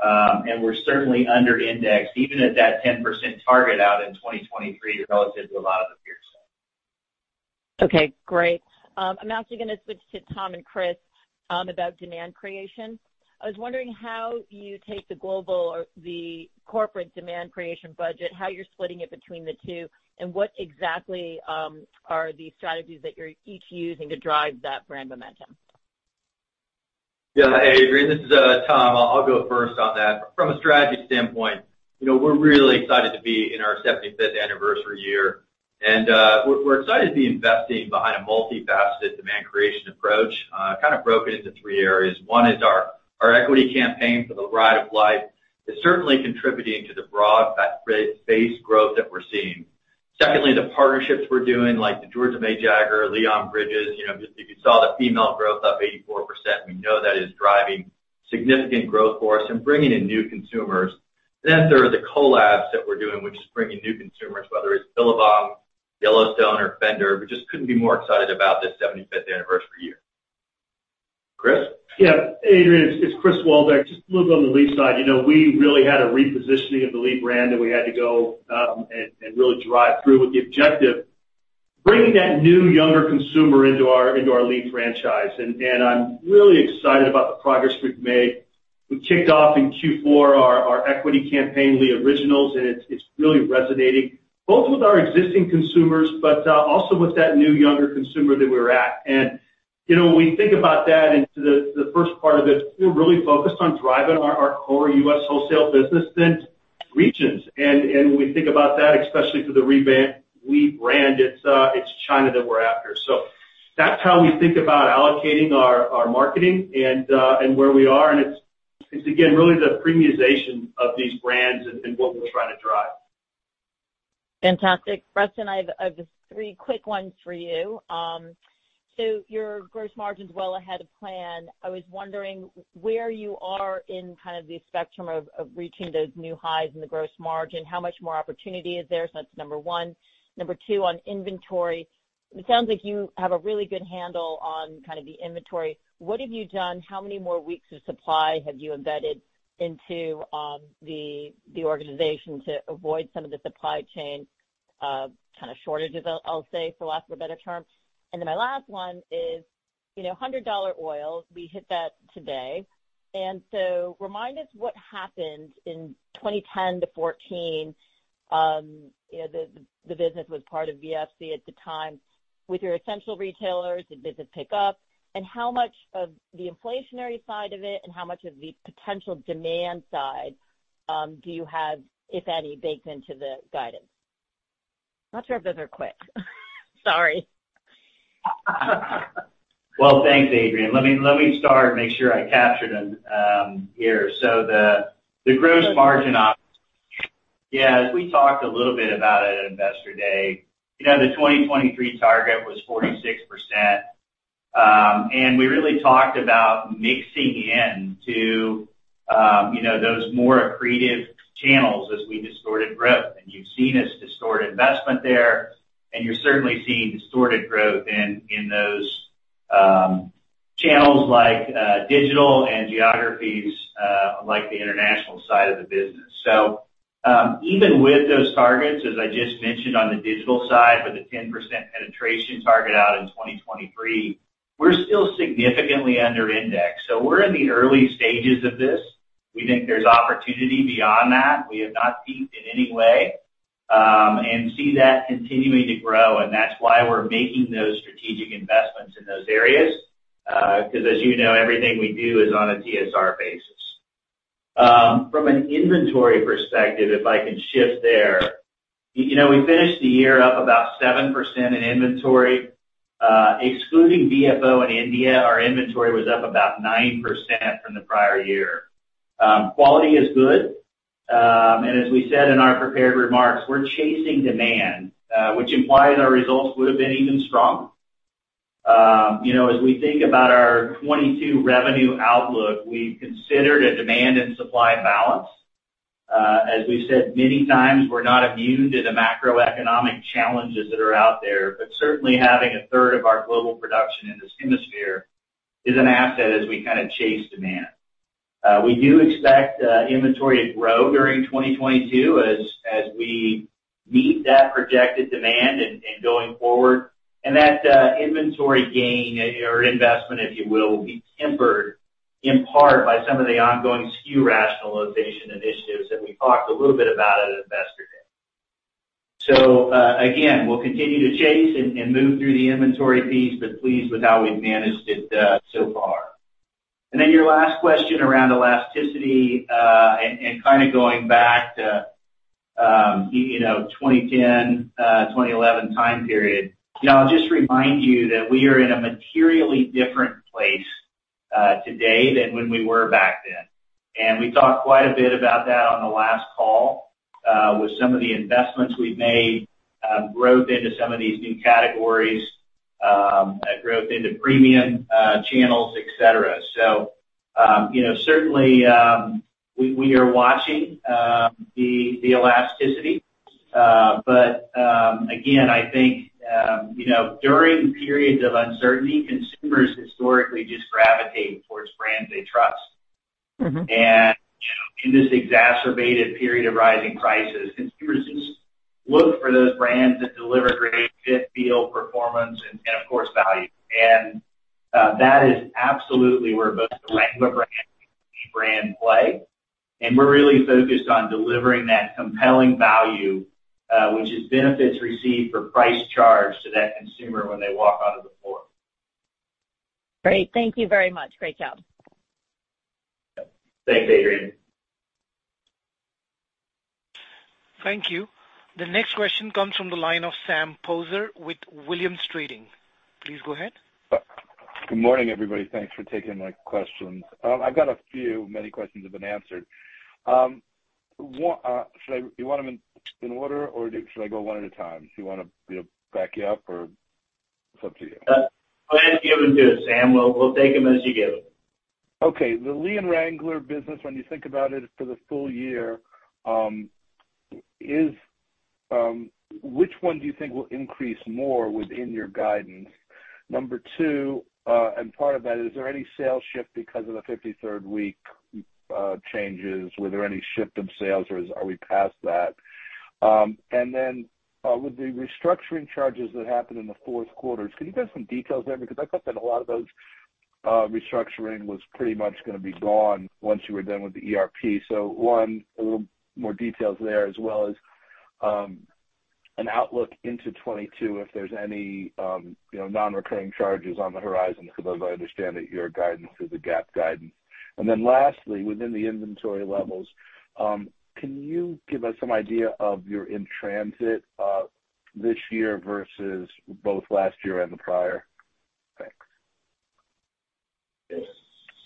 and we're certainly under indexed even at that 10% target out in 2023 relative to a lot of the peers. Okay, great. I'm actually gonna switch to Tom and Chris about demand creation. I was wondering how you take the global or the corporate demand creation budget, how you're splitting it between the two, and what exactly are the strategies that you're each using to drive that brand momentum? Hey, Adrienne, this is Tom. I'll go first on that. From a strategy standpoint, you know, we're really excited to be in our 75th anniversary year and we're excited to be investing behind a multifaceted demand creation approach, kind of broken into three areas. One is our equity campaign for the Ride of Life is certainly contributing to the broad base growth that we're seeing. Secondly, the partnerships we're doing, like the Georgia May Jagger, Leon Bridges, you know, if you saw the female growth up 84%, we know that is driving significant growth for us and bringing in new consumers. Then there are the collabs that we're doing, which is bringing new consumers, whether it's Billabong, Yellowstone or Fender. We just couldn't be more excited about this 75th anniversary year. Chris? Yeah. Adrienne, it's Chris Waldeck. Just a little bit on the Lee side. You know, we really had a repositioning of the Lee brand that we had to go and really drive through with the objective, bringing that new younger consumer into our Lee franchise. I'm really excited about the progress we've made. We kicked off in Q4 our equity campaign, Lee Originals, and it's really resonating both with our existing consumers, but also with that new younger consumer that we're after. You know, when we think about that into the first part of it, we're really focused on driving our core U.S. wholesale business in regions. When we think about that, especially for the Lee brand, it's China that we're after. That's how we think about allocating our marketing and where we are. It's again, really the premiumization of these brands and what we're trying to drive. Fantastic. Rustin, I have just three quick ones for you. Your gross margin's well ahead of plan. I was wondering where you are in kind of the spectrum of reaching those new highs in the gross margin. How much more opportunity is there? That's number one. Number two, on inventory, it sounds like you have a really good handle on kind of the inventory. What have you done? How many more weeks of supply have you embedded into the organization to avoid some of the supply chain kind of shortages, I'll say, for lack of a better term? Then my last one is, you know, $100 oil, we hit that today. Remind us what happened in 2010-2014. You know, the business was part of VFC at the time. With your essential retailers, did business pick up? How much of the inflationary side of it and how much of the potential demand side, do you have, if any, baked into the guidance? Not sure if those are quick. Sorry. Well, thanks, Adrienne. Let me start and make sure I capture them here. The gross margin. Yeah, as we talked a little bit about it at Investor Day, you know, the 2023 target was 46%. We really talked about mixing in to, you know, those more accretive channels as we distorted growth. You've seen us distort investment there, and you're certainly seeing distorted growth in those channels like digital and geographies like the international side of the business. Even with those targets, as I just mentioned on the digital side with a 10% penetration target out in 2023, we're still significantly under indexed. We're in the early stages of this. We think there's opportunity beyond that. We have not peaked in any way, and we see that continuing to grow, and that's why we're making those strategic investments in those areas, 'cause as you know, everything we do is on a TSR basis. From an inventory perspective, if I can shift there. You know, we finished the year up about 7% in inventory. Excluding VFO and India, our inventory was up about 9% from the prior year. Quality is good. As we said in our prepared remarks, we're chasing demand, which implies our results would have been even stronger. You know, as we think about our 2022 revenue outlook, we considered a demand and supply balance. As we said many times, we're not immune to the macroeconomic challenges that are out there, but certainly having a third of our global production in this hemisphere is an asset as we kinda chase demand. We do expect inventory to grow during 2022 as we meet that projected demand and going forward. That inventory gain or investment, if you will be tempered in part by some of the ongoing SKU rationalization initiatives that we talked a little bit about at Investor Day. Again, we'll continue to chase and move through the inventory piece, but pleased with how we've managed it so far. Then your last question around elasticity and kinda going back to, you know, 2010, 2011 time period. You know, I'll just remind you that we are in a materially different place today than when we were back then. We talked quite a bit about that on the last call with some of the investments we've made, growth into some of these new categories, a growth into premium channels, et cetera. You know, certainly, we are watching the elasticity. Again, I think you know, during periods of uncertainty, consumers historically just gravitate towards brands they trust. Mm-hmm. You know, in this exacerbated period of rising prices, consumers just look for those brands that deliver great fit, feel, performance and of course, value. That is absolutely where both the Wrangler brand and the Lee brand play. We're really focused on delivering that compelling value, which is benefits received for price charged to that consumer when they walk out of the store. Great. Thank you very much. Great job. Thanks, Adrienne. Thank you. The next question comes from the line of Sam Poser with Williams Trading. Please go ahead. Good morning, everybody. Thanks for taking my questions. I've got a few. Many questions have been answered. Should I go one at a time? Do you want them in order, or should I go one at a time? Do you wanna, you know, back you up or? It's up to you. Go ahead and give them to us, Sam. We'll take them as you give them. Okay. The Lee and Wrangler business, when you think about it for the full year, which one do you think will increase more within your guidance? 2, and part of that, is there any sales shift because of the 53rd week changes? Was there any shift in sales, or are we past that? And then, with the restructuring charges that happened in the fourth quarter, can you give us some details there? Because I thought that a lot of those restructuring was pretty much gonna be gone once you were done with the ERP. So one, a little more details there, as well as, an outlook into 2022, if there's any, you know, non-recurring charges on the Horizon. Because as I understand it, your guidance is a GAAP guidance. Lastly, within the inventory levels, can you give us some idea of your in transit, this year versus both last year and the prior? Thanks. Yes.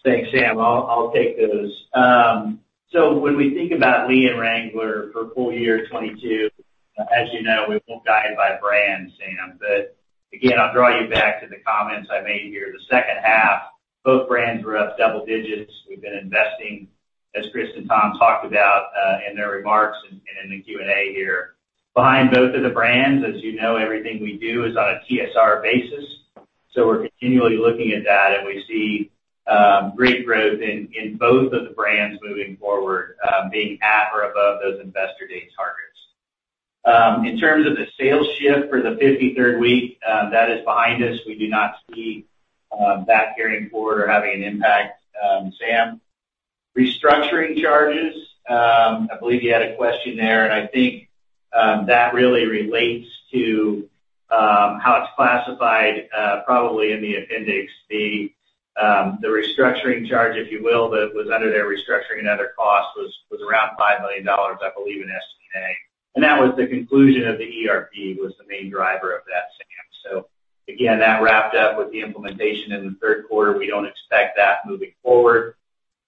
Thanks, Sam. I'll take those. When we think about Lee and Wrangler for full year 2022, as you know, we won't guide by brand, Sam. Again, I'll draw you back to the comments I made here. The second half, both brands were up double digits. We've been investing, as Chris and Tom talked about, in their remarks and in the Q&A here. Behind both of the brands, as you know, everything we do is on a TSR basis. We're continually looking at that, and we see great growth in both of the brands moving forward, being at or above those Investor Day targets. In terms of the sales shift for the 53rd week, that is behind us. We do not see that carrying forward or having an impact, Sam. Restructuring charges, I believe you had a question there, and I think that really relates to how it's classified, probably in the appendix. The restructuring charge, if you will, that was under their restructuring and other costs was around $5 million, I believe, in SG&A. That was the conclusion of the ERP, the main driver of that, Sam. Again, that wrapped up with the implementation in the third quarter. We don't expect that moving forward.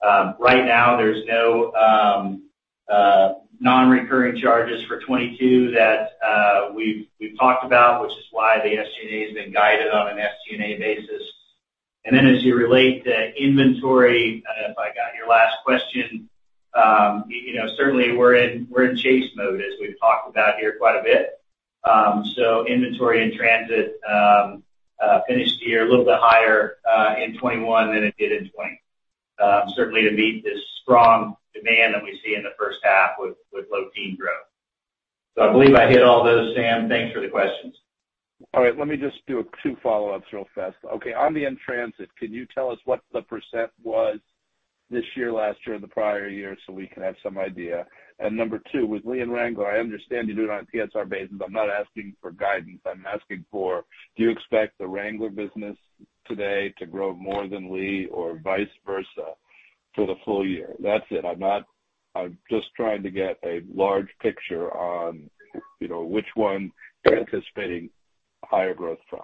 Right now there's no non-recurring charges for 2022 that we've talked about, which is why the SG&A has been guided on an SG&A basis. Then as you relate to inventory, if I got your last question, you know, certainly we're in chase mode as we've talked about here quite a bit. Inventory in transit finished the year a little bit higher in 2021 than it did in 2020. Certainly, to meet this strong demand that we see in the first half with low-teens growth. I believe I hit all those, Sam. Thanks for the questions. All right. Let me just do two follow-ups real fast. Okay, on the in-transit, can you tell us what the percent was this year, last year and the prior year, so we can have some idea? Number two, with Lee and Wrangler, I understand you do it on a TSR basis. I'm not asking for guidance. I'm asking for, do you expect the Wrangler business today to grow more than Lee or vice versa for the full year? That's it. I'm just trying to get a big picture on, you know, which one you're anticipating higher growth from.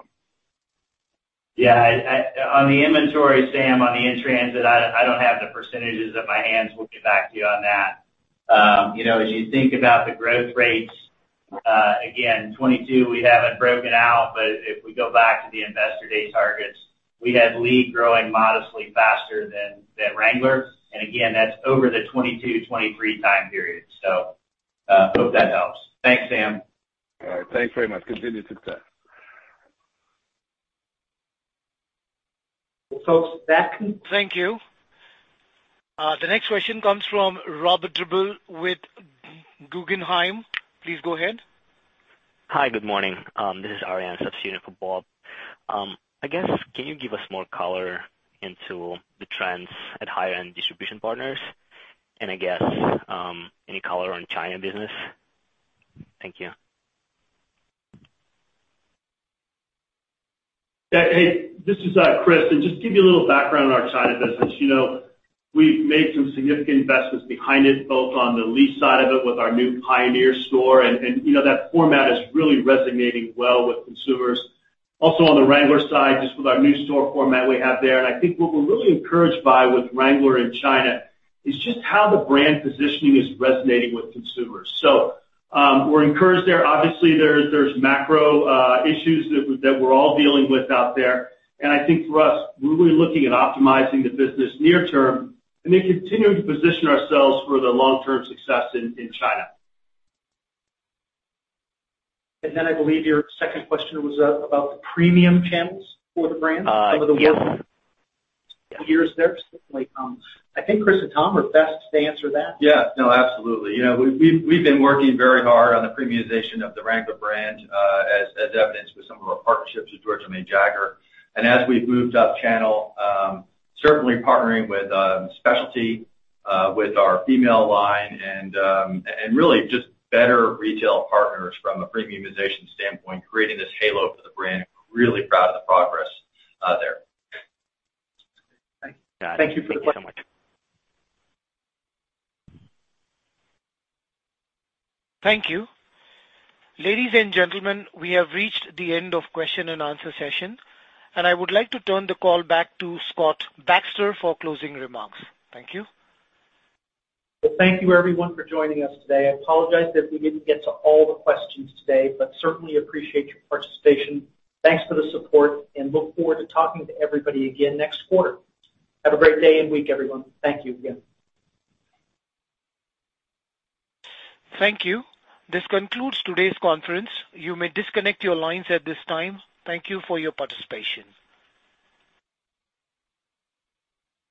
Yeah. On the inventory, Sam, on the in-transit, I don't have the percentages at hand. We'll get back to you on that. You know, as you think about the growth rates, again, 2022 we haven't broken out, but if we go back to the Investor Day targets, we had Lee growing modestly faster than Wrangler. Again, that's over the 2022, 2023 time period. Hope that helps. Thanks, Sam. All right. Thanks very much. Continued success. Folks, back. Thank you. The next question comes from Robert Drbul with Guggenheim. Please go ahead. Hi, good morning. This is Arian substituting for Bob. I guess, can you give us more color into the trends at higher end distribution partners? I guess, any color on China business? Thank you. Yeah. Hey, this is Chris. Just to give you a little background on our China business. You know, we've made some significant investments behind it, both on the lease side of it with our new Pioneer store and, you know, that format is really resonating well with consumers. Also on the Wrangler side, just with our new store format we have there. I think what we're really encouraged by with Wrangler in China is just how the brand positioning is resonating with consumers. We're encouraged there. Obviously, there's macro issues that we're all dealing with out there. I think for us, we're really looking at optimizing the business near term, and then continuing to position ourselves for the long-term success in China. I believe your second question was about the premium channels for the brand? Some of the- Yes. Years there, specifically. I think Chris and Tom are best to answer that. Yeah. No, absolutely. You know, we've been working very hard on the premiumization of the Wrangler brand, as evidenced with some of our partnerships with Georgia May Jagger. As we've moved up channel, certainly partnering with specialty with our female line and really just better retail partners from a premiumization standpoint, creating this halo for the brand, and we're really proud of the progress there. Thanks. Thank you for the question so much. Thank you. Ladies and gentlemen, we have reached the end of question and answer session, and I would like to turn the call back to Scott Baxter for closing remarks. Thank you. Well, thank you everyone for joining us today. I apologize that we didn't get to all the questions today, but certainly appreciate your participation. Thanks for the support and look forward to talking to everybody again next quarter. Have a great day and week everyone. Thank you again. Thank you. This concludes today's conference. You may disconnect your lines at this time. Thank you for your participation.